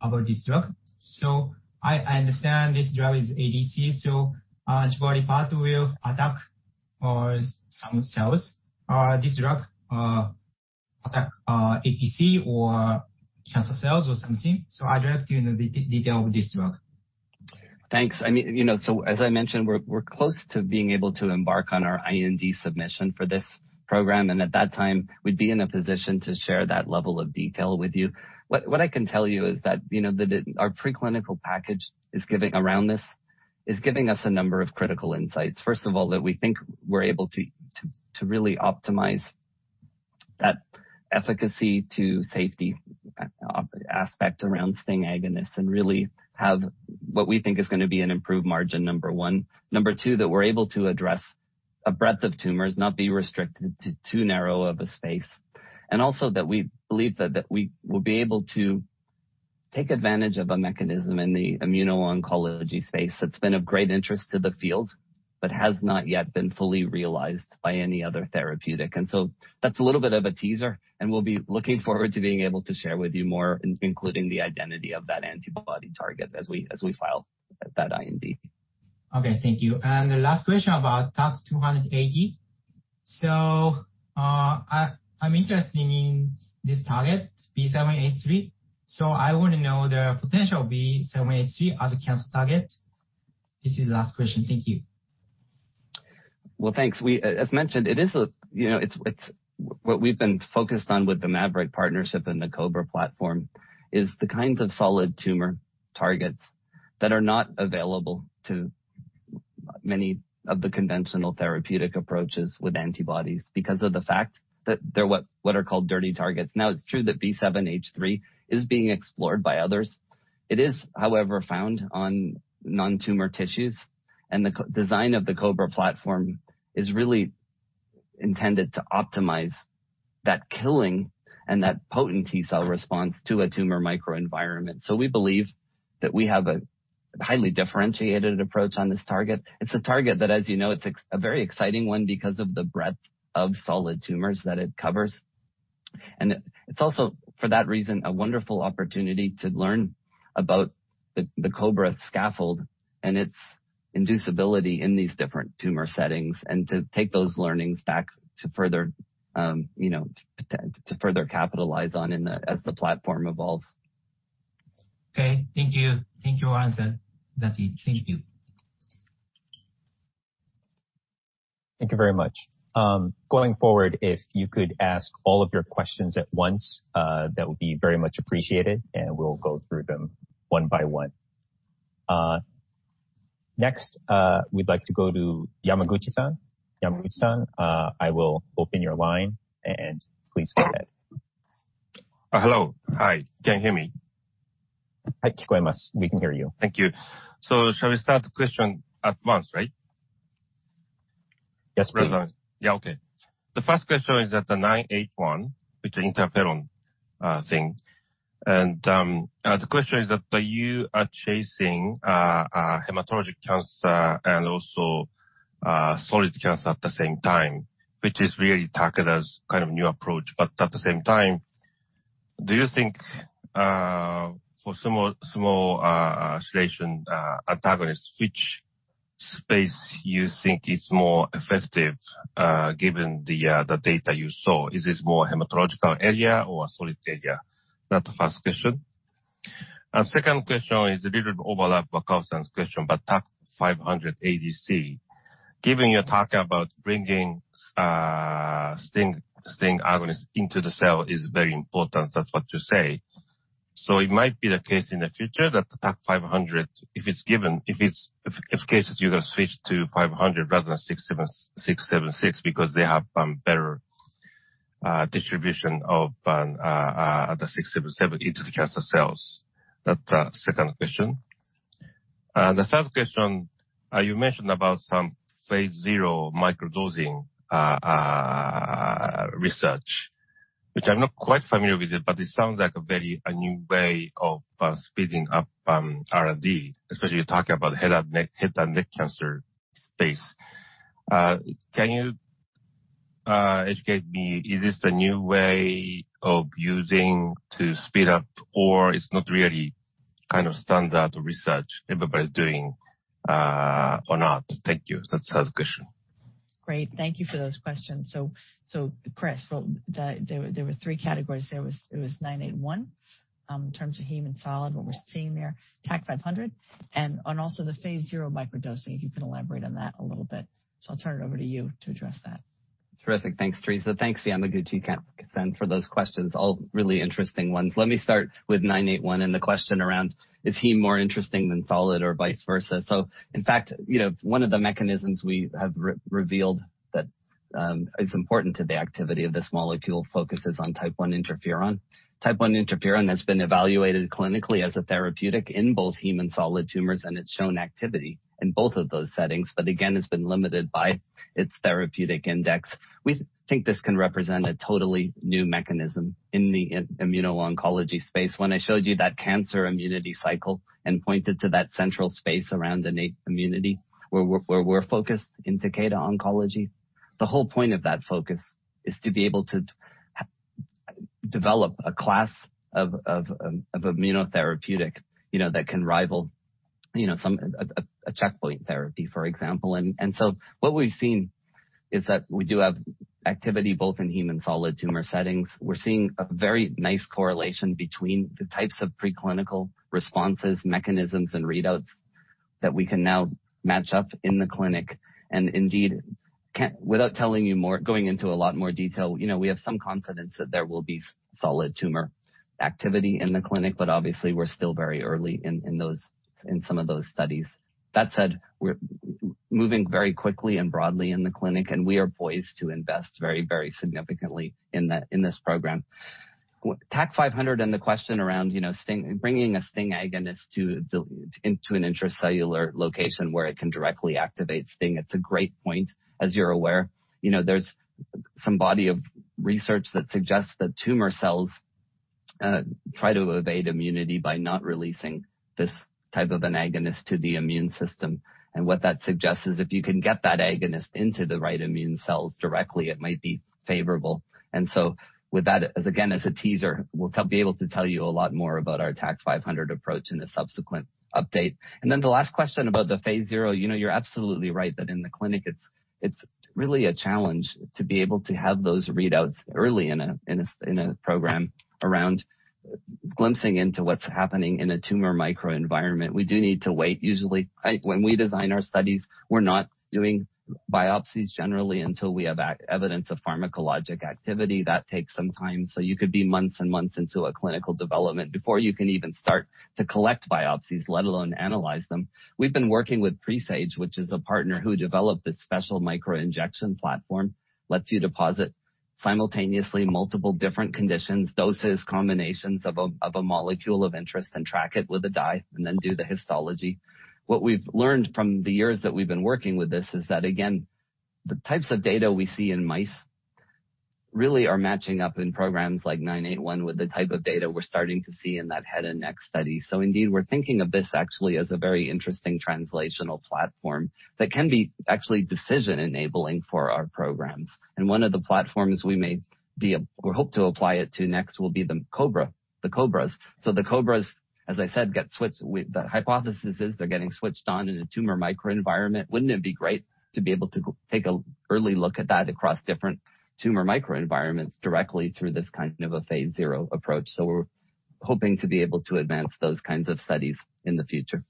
Speaker 4: About this drug. So I understand this drug is ADC. So antibody part will attack some cells. This drug attacks ADC or cancer cells or something. So I'd like to know the detail of this drug.
Speaker 3: Thanks. So as I mentioned, we're close to being able to embark on our IND submission for this program. And at that time, we'd be in a position to share that level of detail with you. What I can tell you is that our preclinical package around this is giving us a number of critical insights. First of all, that we think we're able to really optimize that efficacy to safety aspect around STING agonists and really have what we think is going to be an improved margin, number one. Number two, that we're able to address a breadth of tumors, not be restricted to too narrow of a space. And also that we believe that we will be able to take advantage of a mechanism in the immuno-oncology space that's been of great interest to the field but has not yet been fully realized by any other therapeutic. And so that's a little bit of a teaser. And we'll be looking forward to being able to share with you more, including the identity of that antibody target as we file that IND.
Speaker 4: Okay. Thank you. And the last question about TAK-280. So I'm interested in this target, B7-H3. So I want to know the potential B7-H3 as a cancer target. This is the last question. Thank you.
Speaker 3: Well, thanks. As mentioned, it is what we've been focused on with the Maverick partnership and the COBRA platform is the kinds of solid tumor targets that are not available to many of the conventional therapeutic approaches with antibodies because of the fact that they're what are called dirty targets. Now, it's true that B7-H3 is being explored by others. It is, however, found on non-tumor tissues, and the design of the COBRA platform is really intended to optimize that killing and that potent T cell response to a tumor microenvironment, so we believe that we have a highly differentiated approach on this target. It's a target that, as you know, it's a very exciting one because of the breadth of solid tumors that it covers. And it's also, for that reason, a wonderful opportunity to learn about the COBRA scaffold and its inducibility in these different tumor settings and to take those learnings back to further capitalize on as the platform evolves.
Speaker 4: Okay. Thank you. Thank you, San. Thank you.
Speaker 3: Thank you very much. Going forward, if you could ask all of your questions at once, that would be very much appreciated. And we'll go through them one by one. Next, we'd like to go to Yamaguchi-san. Yamaguchi-san, I will open your line. And please go ahead. Hello. Hi. Can you hear me? Hi. We can hear you. Thank you. So shall we start the question at once, right? Yes, please. Yeah. Okay. The first question is that the 981, which is interferon thing. The question is that you are chasing hematologic cancer and also solid cancer at the same time, which is really targeted as kind of a new approach. But at the same time, do you think for STING agonists, which space you think is more effective given the data you saw? Is this more hematological area or a solid area? That's the first question. The second question is a little bit overlap with Wakao-san's question about TAK-500 ADC. Given you're talking about bringing STING agonists into the cell is very important. That's what you say. So it might be the case in the future that the TAK-500, if it's given, if the case is you're going to switch to 500 rather than 676 because they have better distribution of the 676 into the cancer cells. That's the second question. The third question, you mentioned about some phase 0 microdosing research, which I'm not quite familiar with it, but it sounds like a very new way of speeding up R&D, especially talking about head and neck cancer space. Can you educate me? Is this a new way of using to speed up, or it's not really kind of standard research everybody's doing or not? Thank you. That's the third question.
Speaker 2: Great. Thank you for those questions. So, Chris, there were three categories. There was TAK-981 in terms of heme and solid, what we're seeing there, TAK-500, and also the phase 0 microdosing, if you can elaborate on that a little bit. So I'll turn it over to you to address that.
Speaker 3: Terrific. Thanks, Teresa. Thanks, Yamaguchi-san, for those questions, all really interesting ones. Let me start with 981 and the question around, is heme more interesting than solid or vice versa? So, in fact, one of the mechanisms we have revealed that is important to the activity of this molecule focuses on type I interferon. Type I interferon has been evaluated clinically as a therapeutic in both heme and solid tumors, and it's shown activity in both of those settings, but again, it's been limited by its therapeutic index. We think this can represent a totally new mechanism in the immuno-oncology space. When I showed you that cancer immunity cycle and pointed to that central space around innate immunity where we're focused in Takeda Oncology, the whole point of that focus is to be able to develop a class of immunotherapeutic that can rival a checkpoint therapy, for example. What we've seen is that we do have activity both in heme and solid tumor settings. We're seeing a very nice correlation between the types of preclinical responses, mechanisms, and readouts that we can now match up in the clinic. And indeed, without telling you more, going into a lot more detail, we have some confidence that there will be solid tumor activity in the clinic, but obviously, we're still very early in some of those studies. That said, we're moving very quickly and broadly in the clinic, and we are poised to invest very, very significantly in this program. TAK-500 and the question around bringing a STING agonist into an intracellular location where it can directly activate STING, it's a great point. As you're aware, there's some body of research that suggests that tumor cells try to evade immunity by not releasing this type of an agonist to the immune system, and what that suggests is if you can get that agonist into the right immune cells directly, it might be favorable. And so with that, again, as a teaser, we'll be able to tell you a lot more about our TAK-500 approach in a subsequent update. And then the last question about the phase 0, you're absolutely right that in the clinic, it's really a challenge to be able to have those readouts early in a program around glimpsing into what's happening in a tumor microenvironment. We do need to wait. Usually, when we design our studies, we're not doing biopsies generally until we have evidence of pharmacologic activity. That takes some time. So you could be months and months into a clinical development before you can even start to collect biopsies, let alone analyze them. We've been working with Presage, which is a partner who developed this special microinjection platform, lets you deposit simultaneously multiple different conditions, doses, combinations of a molecule of interest, and track it with a dye and then do the histology. What we've learned from the years that we've been working with this is that, again, the types of data we see in mice really are matching up in programs like 981 with the type of data we're starting to see in that head and neck study. So indeed, we're thinking of this actually as a very interesting translational platform that can be actually decision-enabling for our programs. And one of the platforms we may hope to apply it to next will be the COBRAs. So the COBRAs, as I said, get switched. The hypothesis is they're getting switched on in a tumor microenvironment. Wouldn't it be great to be able to take an early look at that across different tumor microenvironments directly through this kind of a phase 0 approach? So we're hoping to be able to advance those kinds of studies in the future.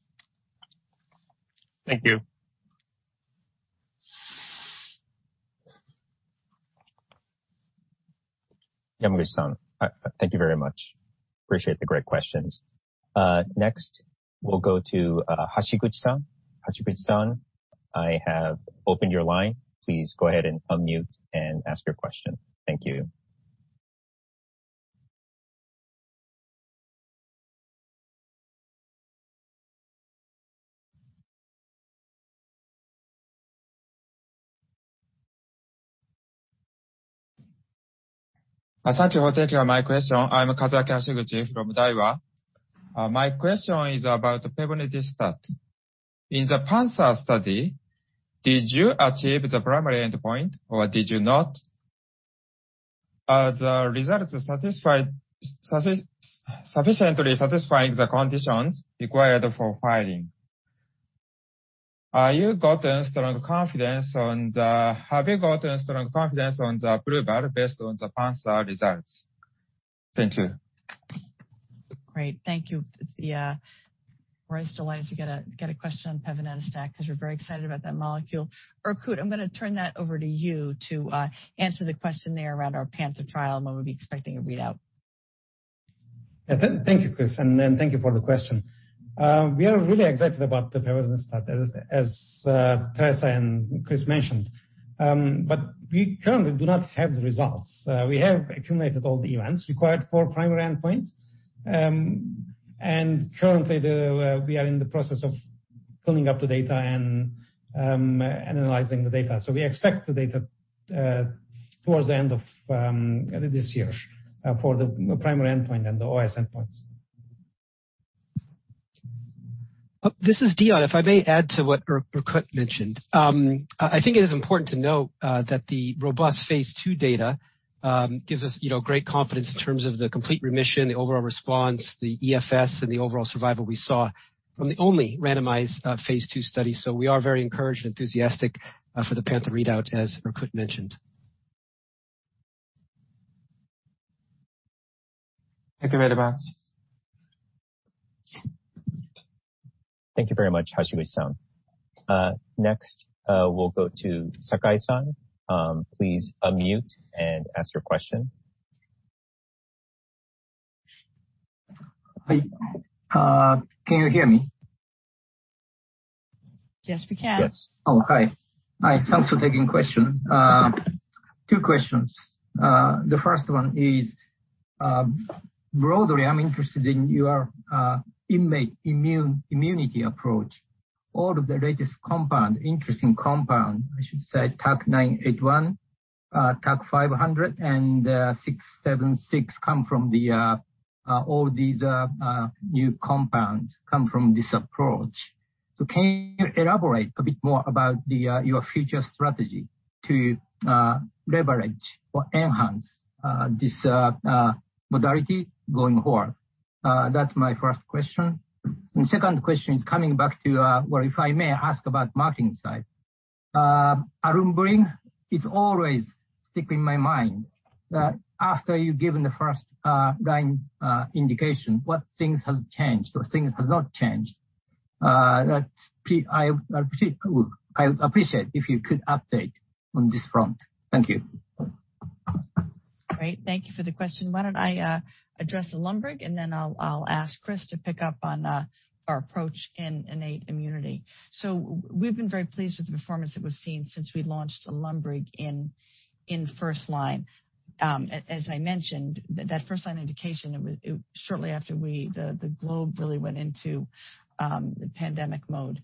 Speaker 3: Thank you. Yamaguchi-san, thank you very much. Appreciate the great questions. Next, we'll go to Hashiguchi-san. Hashiguchi-san, I have opened your line. Please go ahead and unmute and ask your question. Thank you.
Speaker 5: Thank you for taking my question. I'm Kazuaki Hashiguchi from Daiwa. My question is about the pevonedistat. In the PANTHER study, did you achieve the primary endpoint or did you not? Are the results sufficiently satisfying the conditions required for filing? Have you gotten strong confidence on the approval based on the PANTHER results?
Speaker 3: Thank you.
Speaker 2: Great. Thank you. We're always delighted to get a question on pevonedistat because we're very excited about that molecule. Erkut, I'm going to turn that over to you to answer the question there around our PANTHER trial and what we'll be expecting a readout.
Speaker 6: Thank you, Chris. Thank you for the question. We are really excited about the pevonedistat, as Teresa and Chris mentioned. We currently do not have the results. We have accumulated all the events required for primary endpoint. Currently, we are in the process of filling up the data and analyzing the data. We expect the data towards the end of this year for the primary endpoint and the OS endpoints.
Speaker 7: This is Dion. If I may add to what Erkut mentioned, I think it is important to note that the robust phase two data gives us great confidence in terms of the complete remission, the overall response, the EFS, and the overall survival we saw from the only randomized phase II study. So we are very encouraged and enthusiastic for the PANTHER readout, as Erkut mentioned.
Speaker 5: Thank you very much.
Speaker 3: Thank you very much, Hashiguchi-san. Next, we'll go to Sakai-san. Please unmute and ask your question. Can you hear me? Yes, we can. Yes. Oh, hi. Hi. Thanks for taking the question. Two questions. The first one is broadly, I'm interested in your innate immunity approach. All of the latest compounds, interesting compounds, I should say, TAK-981, TAK-500, and TAK-676 come from this approach. So can you elaborate a bit more about your future strategy to leverage or enhance this modality going forward? That's my first question. And the second question is coming back to, well, if I may ask about the marketing side. ALUNBRIG, it's always sticking in my mind that after you've given the first line indication, what things have changed or things have not changed? I would appreciate if you could update on this front. Thank you.
Speaker 2: Great. Thank you for the question. Why don't I address the ALUNBRIG, and then I'll ask Chris to pick up on our approach in innate immunity. So we've been very pleased with the performance that we've seen since we launched ALUNBRIG in first line. As I mentioned, that first line indication, shortly after the globe really went into pandemic mode,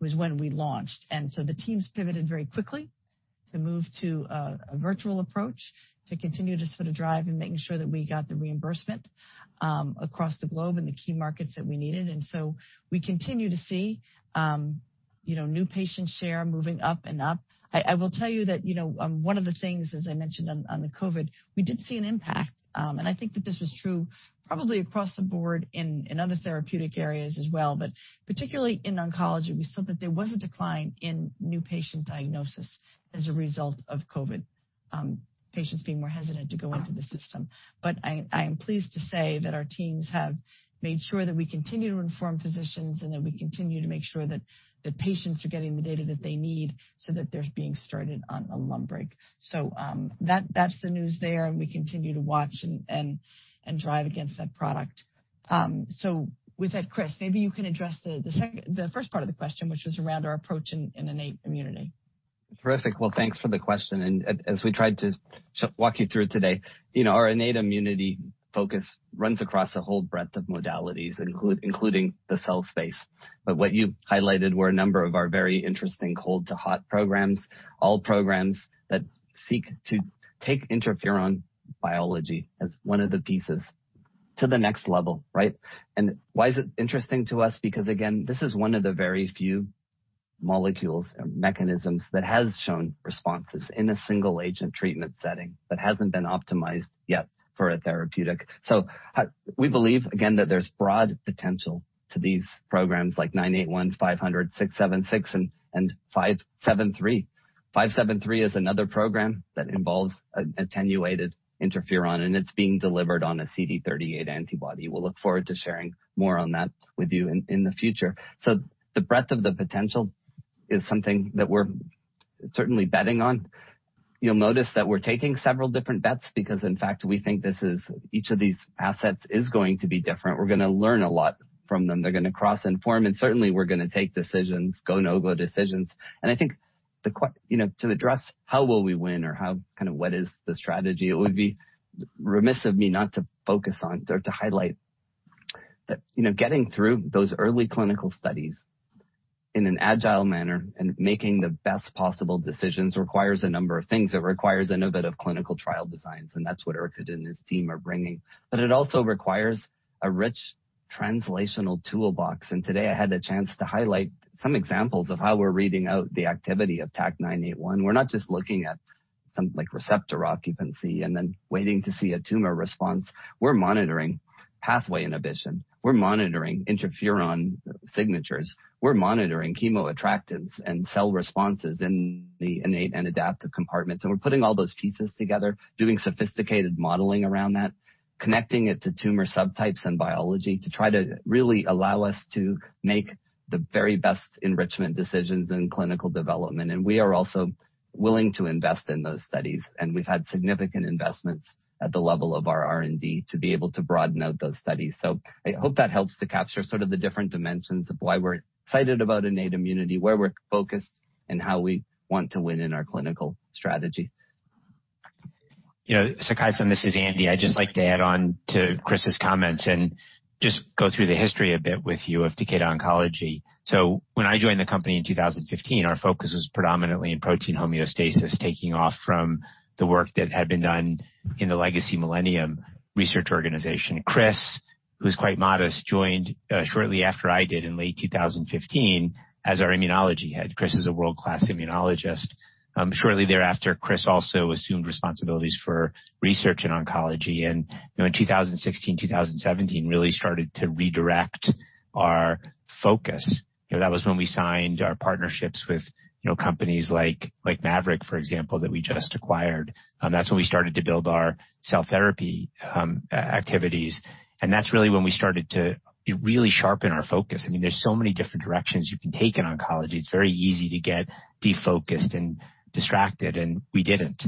Speaker 2: was when we launched. And so the teams pivoted very quickly to move to a virtual approach to continue to sort of drive and making sure that we got the reimbursement across the globe in the key markets that we needed. And so we continue to see new patient share moving up and up. I will tell you that one of the things, as I mentioned on the COVID, we did see an impact. And I think that this was true probably across the board in other therapeutic areas as well, but particularly in oncology. We saw that there was a decline in new patient diagnosis as a result of COVID, patients being more hesitant to go into the system. But I am pleased to say that our teams have made sure that we continue to inform physicians and that we continue to make sure that the patients are getting the data that they need so that they're being started on Alunbrig. So that's the news there, and we continue to watch and drive against that product. So with that, Chris, maybe you can address the first part of the question, which was around our approach in innate immunity.
Speaker 3: Terrific. Well, thanks for the question. And as we tried to walk you through it today, our innate immunity focus runs across a whole breadth of modalities, including the cell space. But what you highlighted were a number of our very interesting cold-to-hot programs, all programs that seek to take interferon biology as one of the pieces to the next level, right? And why is it interesting to us? Because, again, this is one of the very few molecules or mechanisms that has shown responses in a single-agent treatment setting that hasn't been optimized yet for a therapeutic. So we believe, again, that there's broad potential to these programs like 981, 500, 676, and 573. 573 is another program that involves attenuated interferon, and it's being delivered on a CD38 antibody. We'll look forward to sharing more on that with you in the future. So the breadth of the potential is something that we're certainly betting on. You'll notice that we're taking several different bets because, in fact, we think each of these assets is going to be different. We're going to learn a lot from them. They're going to cross-inform, and certainly, we're going to take decisions, go/no-go decisions. I think to address how will we win or kind of what is the strategy, it would be remiss of me not to focus on or to highlight that getting through those early clinical studies in an agile manner and making the best possible decisions requires a number of things. It requires innovative clinical trial designs, and that's what Erkut and his team are bringing. But it also requires a rich translational toolbox. Today, I had the chance to highlight some examples of how we're reading out the activity of TAK-981. We're not just looking at something like receptor occupancy and then waiting to see a tumor response. We're monitoring pathway inhibition. We're monitoring interferon signatures. We're monitoring chemoattractants and cell responses in the innate and adaptive compartments. And we're putting all those pieces together, doing sophisticated modeling around that, connecting it to tumor subtypes and biology to try to really allow us to make the very best enrichment decisions in clinical development. And we are also willing to invest in those studies. And we've had significant investments at the level of our R&D to be able to broaden out those studies. So I hope that helps to capture sort of the different dimensions of why we're excited about innate immunity, where we're focused, and how we want to win in our clinical strategy.
Speaker 8: Sakai-san, this is Andy. I'd just like to add on to Chris's comments and just go through the history a bit with you of Takeda Oncology. When I joined the company in 2015, our focus was predominantly in protein homeostasis, taking off from the work that had been done in the Legacy Millennium Research Organization. Chris, who's quite modest, joined shortly after I did in late 2015 as our immunology head. Chris is a world-class immunologist. Shortly thereafter, Chris also assumed responsibilities for research in oncology. In 2016, 2017, really started to redirect our focus. That was when we signed our partnerships with companies like Maverick, for example, that we just acquired. That's when we started to build our cell therapy activities. That's really when we started to really sharpen our focus. I mean, there's so many different directions you can take in oncology. It's very easy to get defocused and distracted, and we didn't.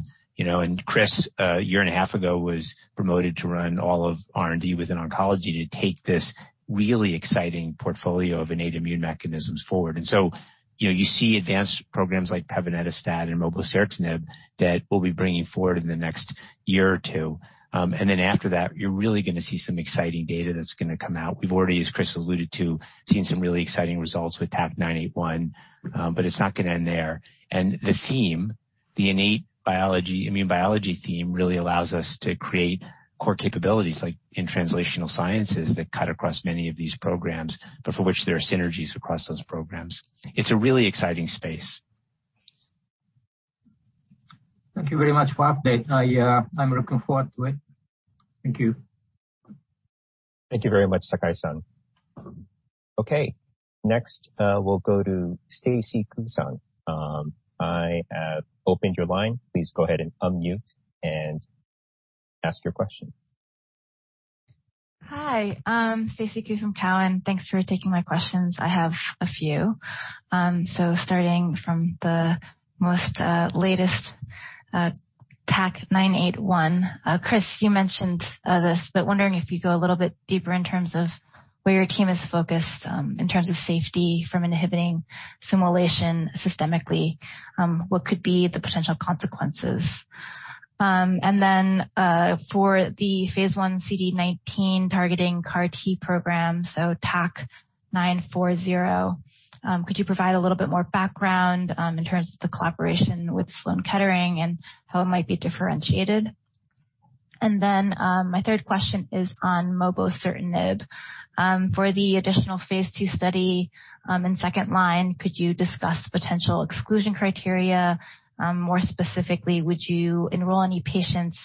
Speaker 8: Chris, a year and a half ago, was promoted to run all of R&D within oncology to take this really exciting portfolio of innate immune mechanisms forward. So you see advanced programs like pevonedistat and mobocertinib that we'll be bringing forward in the next year or two. Then after that, you're really going to see some exciting data that's going to come out. We've already, as Chris alluded to, seen some really exciting results with TAK-981, but it's not going to end there. The theme, the innate immune biology theme, really allows us to create core capabilities like in translational sciences that cut across many of these programs, but for which there are synergies across those programs. It's a really exciting space. Thank you very much for the update. I'm looking forward to it. Thank you.
Speaker 3: Thank you very much, Sakai-san. Okay. Next, we'll go to Stacy Ku. I have opened your line. Please go ahead and unmute and ask your question.
Speaker 9: Hi. Stacy Ku, Cowen. Thanks for taking my questions. I have a few. So starting from the most latest TAK-981, Chris, you mentioned this, but wondering if you go a little bit deeper in terms of where your team is focused in terms of safety from inhibiting SUMOylation systemically, what could be the potential consequences? And then for the phase 1 CD19 targeting CAR-T program, so TAK-940, could you provide a little bit more background in terms of the collaboration with Sloan Kettering and how it might be differentiated? And then my third question is on mobocertinib. For the additional phase II study in second line, could you discuss potential exclusion criteria? More specifically, would you enroll any patients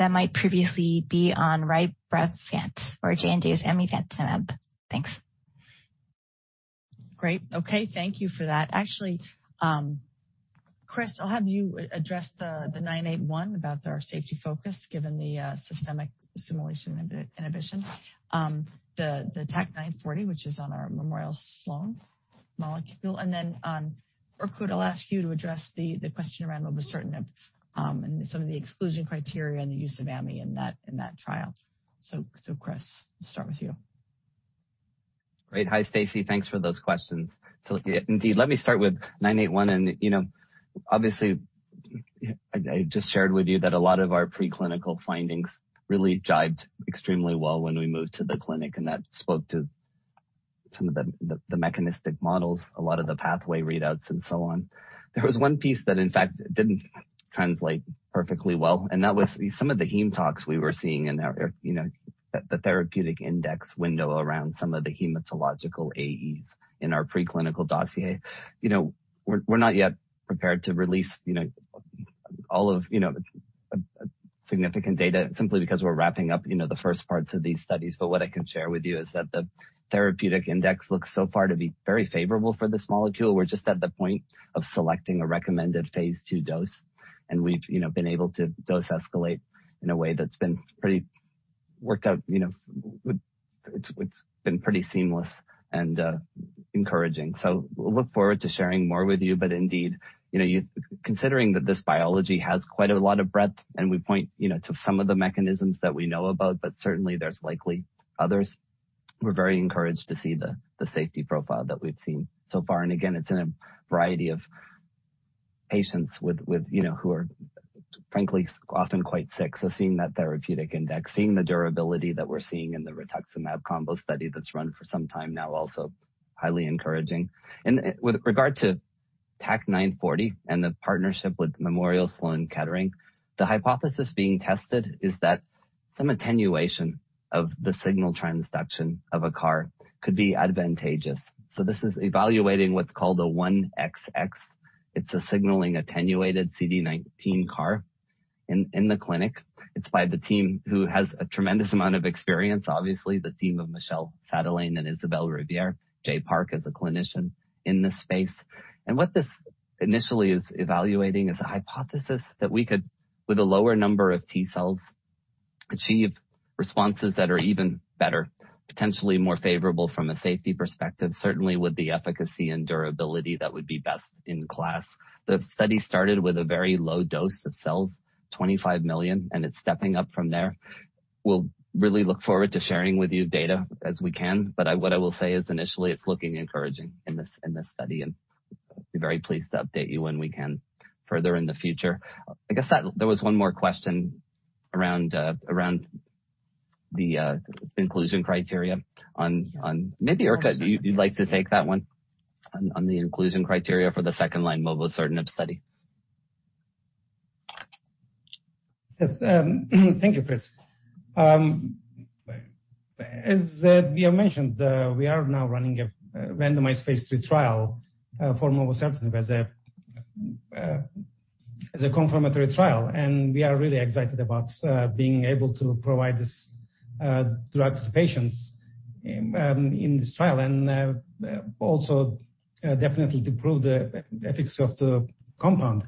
Speaker 9: that might previously be on RYBREVANT or J&J's amivantamab? Thanks.
Speaker 2: Great. Okay. Thank you for that. Actually, Chris, I'll have you address the TAK-981 about our safety focus given the systemic SUMOylation inhibition, the TAK-940, which is on our Memorial Sloan molecule. And then Erkut, I'll ask you to address the question around mobocertinib and some of the exclusion criteria and the use of amivantamab in that trial. So, Chris, we'll start with you.
Speaker 3: Great. Hi, Stacy. Thanks for those questions. So indeed, let me start with TAK-981. And obviously, I just shared with you that a lot of our preclinical findings really jived extremely well when we moved to the clinic, and that spoke to some of the mechanistic models, a lot of the pathway readouts, and so on. There was one piece that, in fact, didn't translate perfectly well, and that was some of the heme tox we were seeing in the therapeutic index window around some of the hematological AEs in our preclinical dossier. We're not yet prepared to release all the significant data simply because we're wrapping up the first parts of these studies. But what I can share with you is that the therapeutic index looks so far to be very favorable for this molecule. We're just at the point of selecting a recommended phase two dose, and we've been able to dose escalate in a way that's been pretty worked out. It's been pretty seamless and encouraging. So we'll look forward to sharing more with you. But indeed, considering that this biology has quite a lot of breadth, and we point to some of the mechanisms that we know about, but certainly, there's likely others, we're very encouraged to see the safety profile that we've seen so far. And again, it's in a variety of patients who are, frankly, often quite sick. So seeing that therapeutic index, seeing the durability that we're seeing in the rituximab combo study that's run for some time now, also highly encouraging. And with regard to TAK-940 and the partnership with Memorial Sloan Kettering, the hypothesis being tested is that some attenuation of the signal transduction of a CAR could be advantageous. So this is evaluating what's called a 1XX. It's a signaling attenuated CD19 CAR in the clinic. It's by the team who has a tremendous amount of experience, obviously, the team of Michel Sadelain and Isabelle Rivière. Jae Park is a clinician in this space, and what this initially is evaluating is a hypothesis that we could, with a lower number of T cells, achieve responses that are even better, potentially more favorable from a safety perspective, certainly with the efficacy and durability that would be best in class. The study started with a very low dose of cells, 25 million, and it's stepping up from there. We'll really look forward to sharing with you data as we can, but what I will say is initially, it's looking encouraging in this study, and I'll be very pleased to update you when we can further in the future. I guess there was one more question around the inclusion criteria. Maybe Erkut, you'd like to take that one on the inclusion criteria for the second-line mobocertinib study.
Speaker 6: Yes. Thank you, Chris. As we have mentioned, we are now running a randomized phase three trial for mobocertinib as a confirmatory trial, and we are really excited about being able to provide this drug to patients in this trial and also definitely to prove the efficacy of the compound.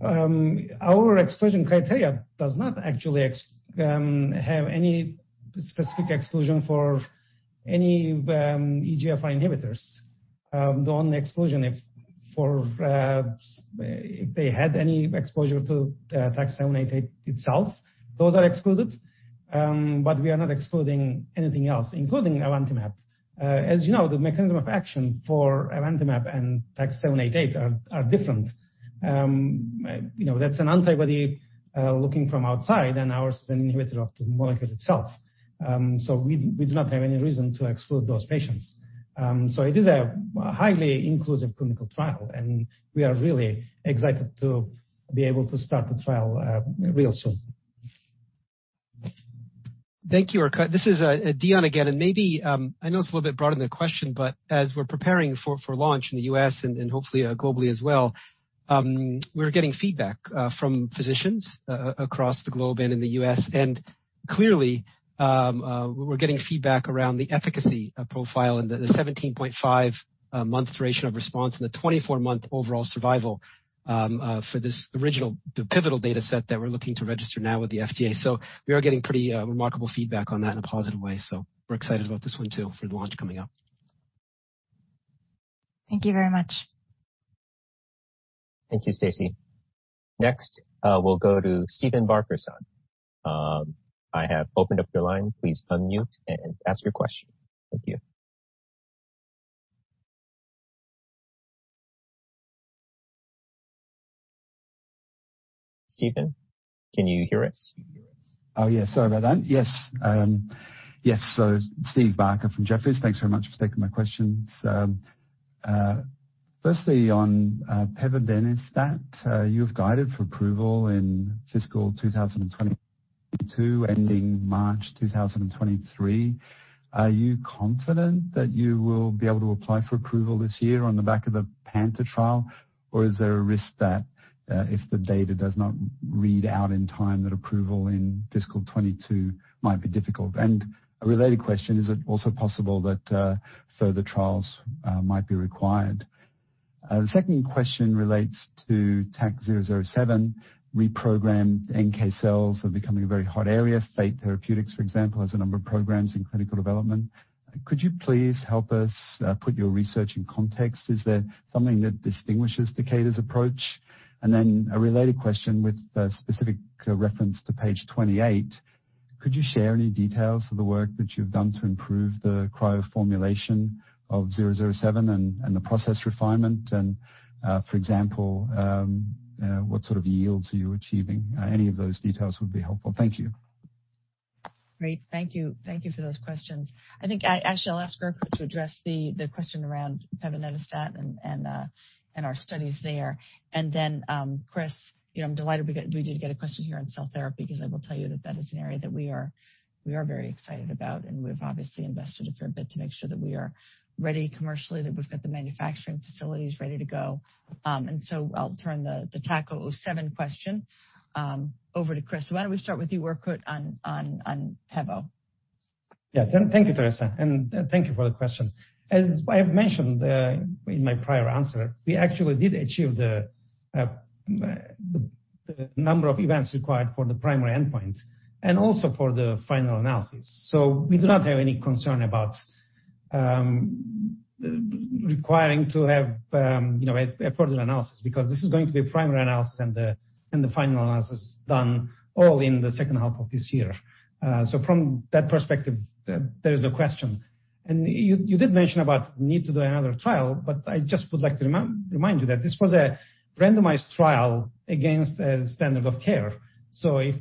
Speaker 6: Our exclusion criteria does not actually have any specific exclusion for any EGFR inhibitors. The only exclusion, if they had any exposure to TAK-788 itself, those are excluded, but we are not excluding anything else, including amivantamab. As you know, the mechanism of action for amivantamab and TAK-788 are different. That's an antibody looking from outside, and ours is an inhibitor of the molecule itself. So we do not have any reason to exclude those patients. So it is a highly inclusive clinical trial, and we are really excited to be able to start the trial real soon.
Speaker 7: Thank you, Erkut. This is Dion again. And maybe I know it's a little bit broader than the question, but as we're preparing for launch in the U.S. and hopefully globally as well, we're getting feedback from physicians across the globe and in the U.S. And clearly, we're getting feedback around the efficacy profile and the 17.5-month duration of response and the 24-month overall survival for this original pivotal data set that we're looking to register now with the FDA. So we are getting pretty remarkable feedback on that in a positive way. So we're excited about this one too for the launch coming up.
Speaker 9: Thank you very much.
Speaker 3: Thank you, Stacy. Next, we'll go to Stephen Barker. I have opened up your line. Please unmute and ask your question. Thank you. Stephen, can you hear us?
Speaker 10: Oh, yeah. Sorry about that. Yes. Yes. So Steve Barker from Jefferies. Thanks very much for taking my questions. Firstly, on pevonedistat, you have guided for approval in fiscal 2022 ending March 2023. Are you confident that you will be able to apply for approval this year on the back of the PANTHER trial, or is there a risk that if the data does not read out in time, that approval in fiscal 2022 might be difficult? And a related question, is it also possible that further trials might be required? The second question relates to TAK-007, reprogrammed NK cells are becoming a very hot area. Fate Therapeutics, for example, has a number of programs in clinical development. Could you please help us put your research in context? Is there something that distinguishes Takeda's approach? And then a related question with specific reference to page 28. Could you share any details of the work that you've done to improve the cryoformulation of 007 and the process refinement? And for example, what sort of yields are you achieving? Any of those details would be helpful. Thank you.
Speaker 2: Great. Thank you. Thank you for those questions. I think I shall ask Erkut to address the question around pevonedistat and our studies there. And then, Chris, I'm delighted we did get a question here on cell therapy because I will tell you that that is an area that we are very excited about, and we've obviously invested a fair bit to make sure that we are ready commercially, that we've got the manufacturing facilities ready to go. And so I'll turn the TAK-007 question over to Chris. So why don't we start with you, Erkut, on PEVO?
Speaker 6: Yeah. Thank you, Teresa. And thank you for the question. As I have mentioned in my prior answer, we actually did achieve the number of events required for the primary endpoint and also for the final analysis. So we do not have any concern about requiring to have a further analysis because this is going to be a primary analysis and the final analysis done all in the second half of this year. So from that perspective, there is no question. And you did mention about the need to do another trial, but I just would like to remind you that this was a randomized trial against a standard of care. So if,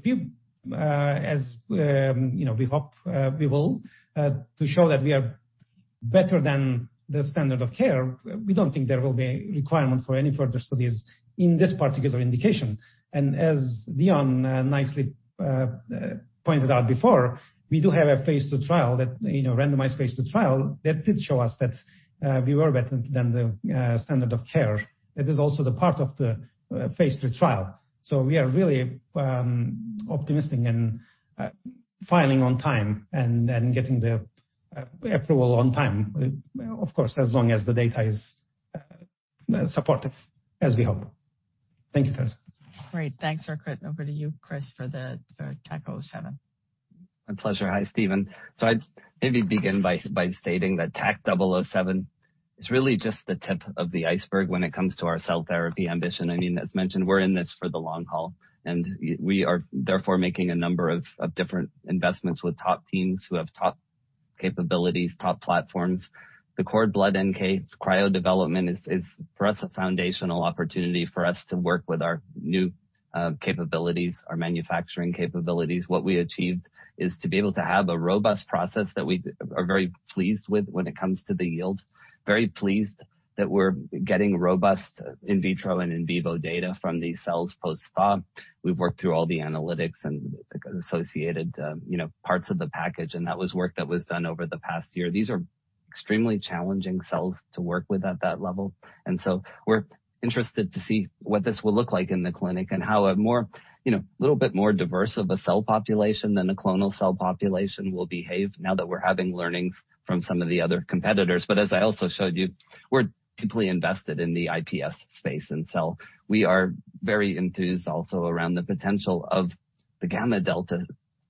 Speaker 6: as we hope we will, to show that we are better than the standard of care, we don't think there will be a requirement for any further studies in this particular indication. As Dion nicely pointed out before, we do have a phase II trial, that randomized phase II trial that did show us that we were better than the standard of care. That is also the part of the phase III trial. So we are really optimistic and filing on time and getting the approval on time, of course, as long as the data is supportive, as we hope. Thank you, Teresa.
Speaker 2: Great. Thanks, Erkut. Over to you, Chris, for the TAK-007.
Speaker 3: My pleasure. Hi, Steven. So I'd maybe begin by stating that TAK-007 is really just the tip of the iceberg when it comes to our cell therapy ambition. I mean, as mentioned, we're in this for the long haul, and we are therefore making a number of different investments with top teams who have top capabilities, top platforms. The cord blood NK cryo development is, for us, a foundational opportunity for us to work with our new capabilities, our manufacturing capabilities. What we achieved is to be able to have a robust process that we are very pleased with when it comes to the yield, very pleased that we're getting robust in vitro and in vivo data from these cells post-thaw. We've worked through all the analytics and associated parts of the package, and that was work that was done over the past year. These are extremely challenging cells to work with at that level. And so we're interested to see what this will look like in the clinic and how a little bit more diverse of a cell population than a clonal cell population will behave now that we're having learnings from some of the other competitors. But as I also showed you, we're deeply invested in the iPS space. And so we are very enthused also around the potential of the gamma delta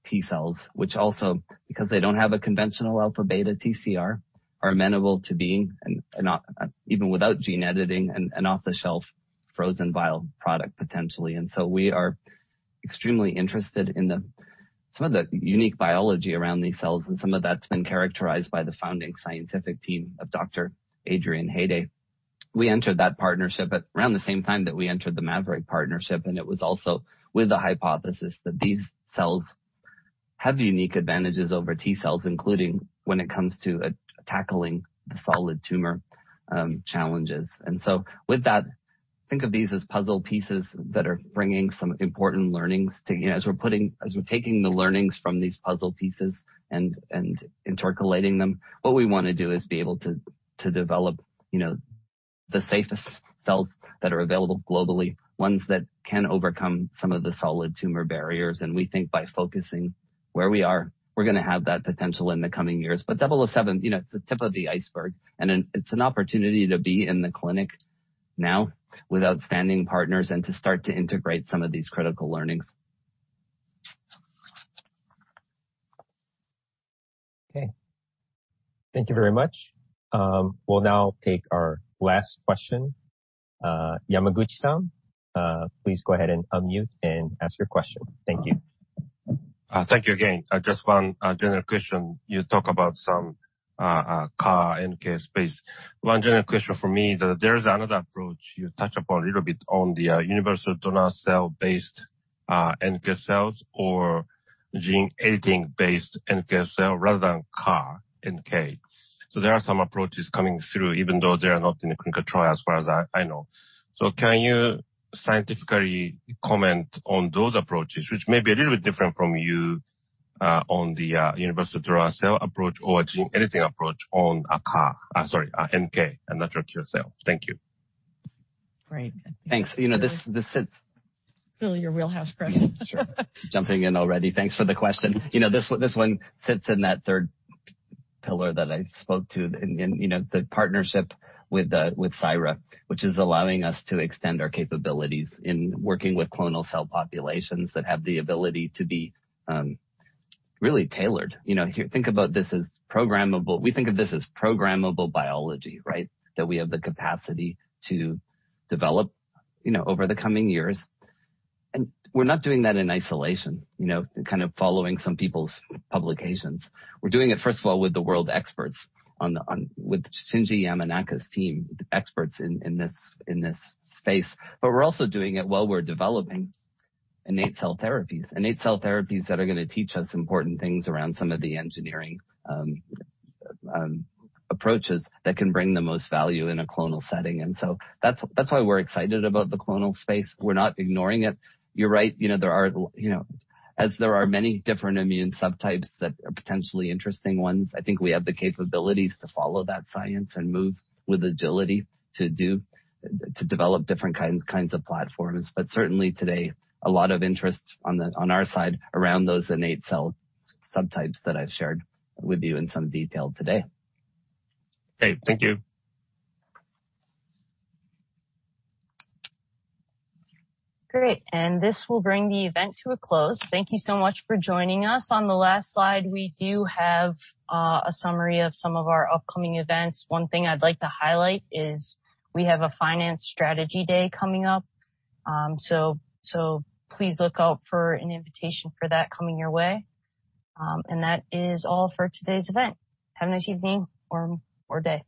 Speaker 3: T cells, which also, because they don't have a conventional alpha beta TCR, are amenable to being even without gene editing and off-the-shelf frozen vial product potentially. And so we are extremely interested in some of the unique biology around these cells and some of that's been characterized by the founding scientific team of Dr. Adrian Hayday. We entered that partnership around the same time that we entered the Maverick partnership, and it was also with the hypothesis that these cells have unique advantages over T cells, including when it comes to tackling the solid tumor challenges. And so with that, think of these as puzzle pieces that are bringing some important learnings. As we're taking the learnings from these puzzle pieces and interpolating them, what we want to do is be able to develop the safest cells that are available globally, ones that can overcome some of the solid tumor barriers. And we think by focusing where we are, we're going to have that potential in the coming years. But 007, it's the tip of the iceberg, and it's an opportunity to be in the clinic now with outstanding partners and to start to integrate some of these critical learnings.
Speaker 10: Okay.
Speaker 3: Thank you very much. We'll now take our last question. Yamaguchi-san, please go ahead and unmute and ask your question. Thank you. Thank you again. Just one general question. You talk about some CAR NK space. One general question for me, there is another approach you touched upon a little bit on the universal donor cell-based NK cells or gene editing-based NK cell rather than CAR NK. So there are some approaches coming through, even though they are not in the clinical trial as far as I know. So can you scientifically comment on those approaches, which may be a little bit different from you on the universal donor cell approach or gene editing approach on a CAR, sorry, NK, a natural killer cell? Thank you. Great. Thanks. This fits.
Speaker 2: Fill your wheelhouse, Chris.
Speaker 3: Sure. Jumping in already. Thanks for the question. This one sits in that third pillar that I spoke to, the partnership with CiRA, which is allowing us to extend our capabilities in working with clonal cell populations that have the ability to be really tailored. Think about this as programmable. We think of this as programmable biology, right, that we have the capacity to develop over the coming years. And we're not doing that in isolation, kind of following some people's publications. We're doing it, first of all, with the world experts, with Shinya Yamanaka's team, experts in this space. But we're also doing it while we're developing innate cell therapies, innate cell therapies that are going to teach us important things around some of the engineering approaches that can bring the most value in a clonal setting. And so that's why we're excited about the clonal space. We're not ignoring it. You're right. As there are many different immune subtypes that are potentially interesting ones, I think we have the capabilities to follow that science and move with agility to develop different kinds of platforms. But certainly today, a lot of interest on our side around those innate cell subtypes that I've shared with you in some detail today. Okay. Thank you.
Speaker 1: Great. And this will bring the event to a close. Thank you so much for joining us. On the last slide, we do have a summary of some of our upcoming events. One thing I'd like to highlight is we have a Finance Strategy Day coming up. So please look out for an invitation for that coming your way. And that is all for today's event. Have a nice evening or day. Bye now.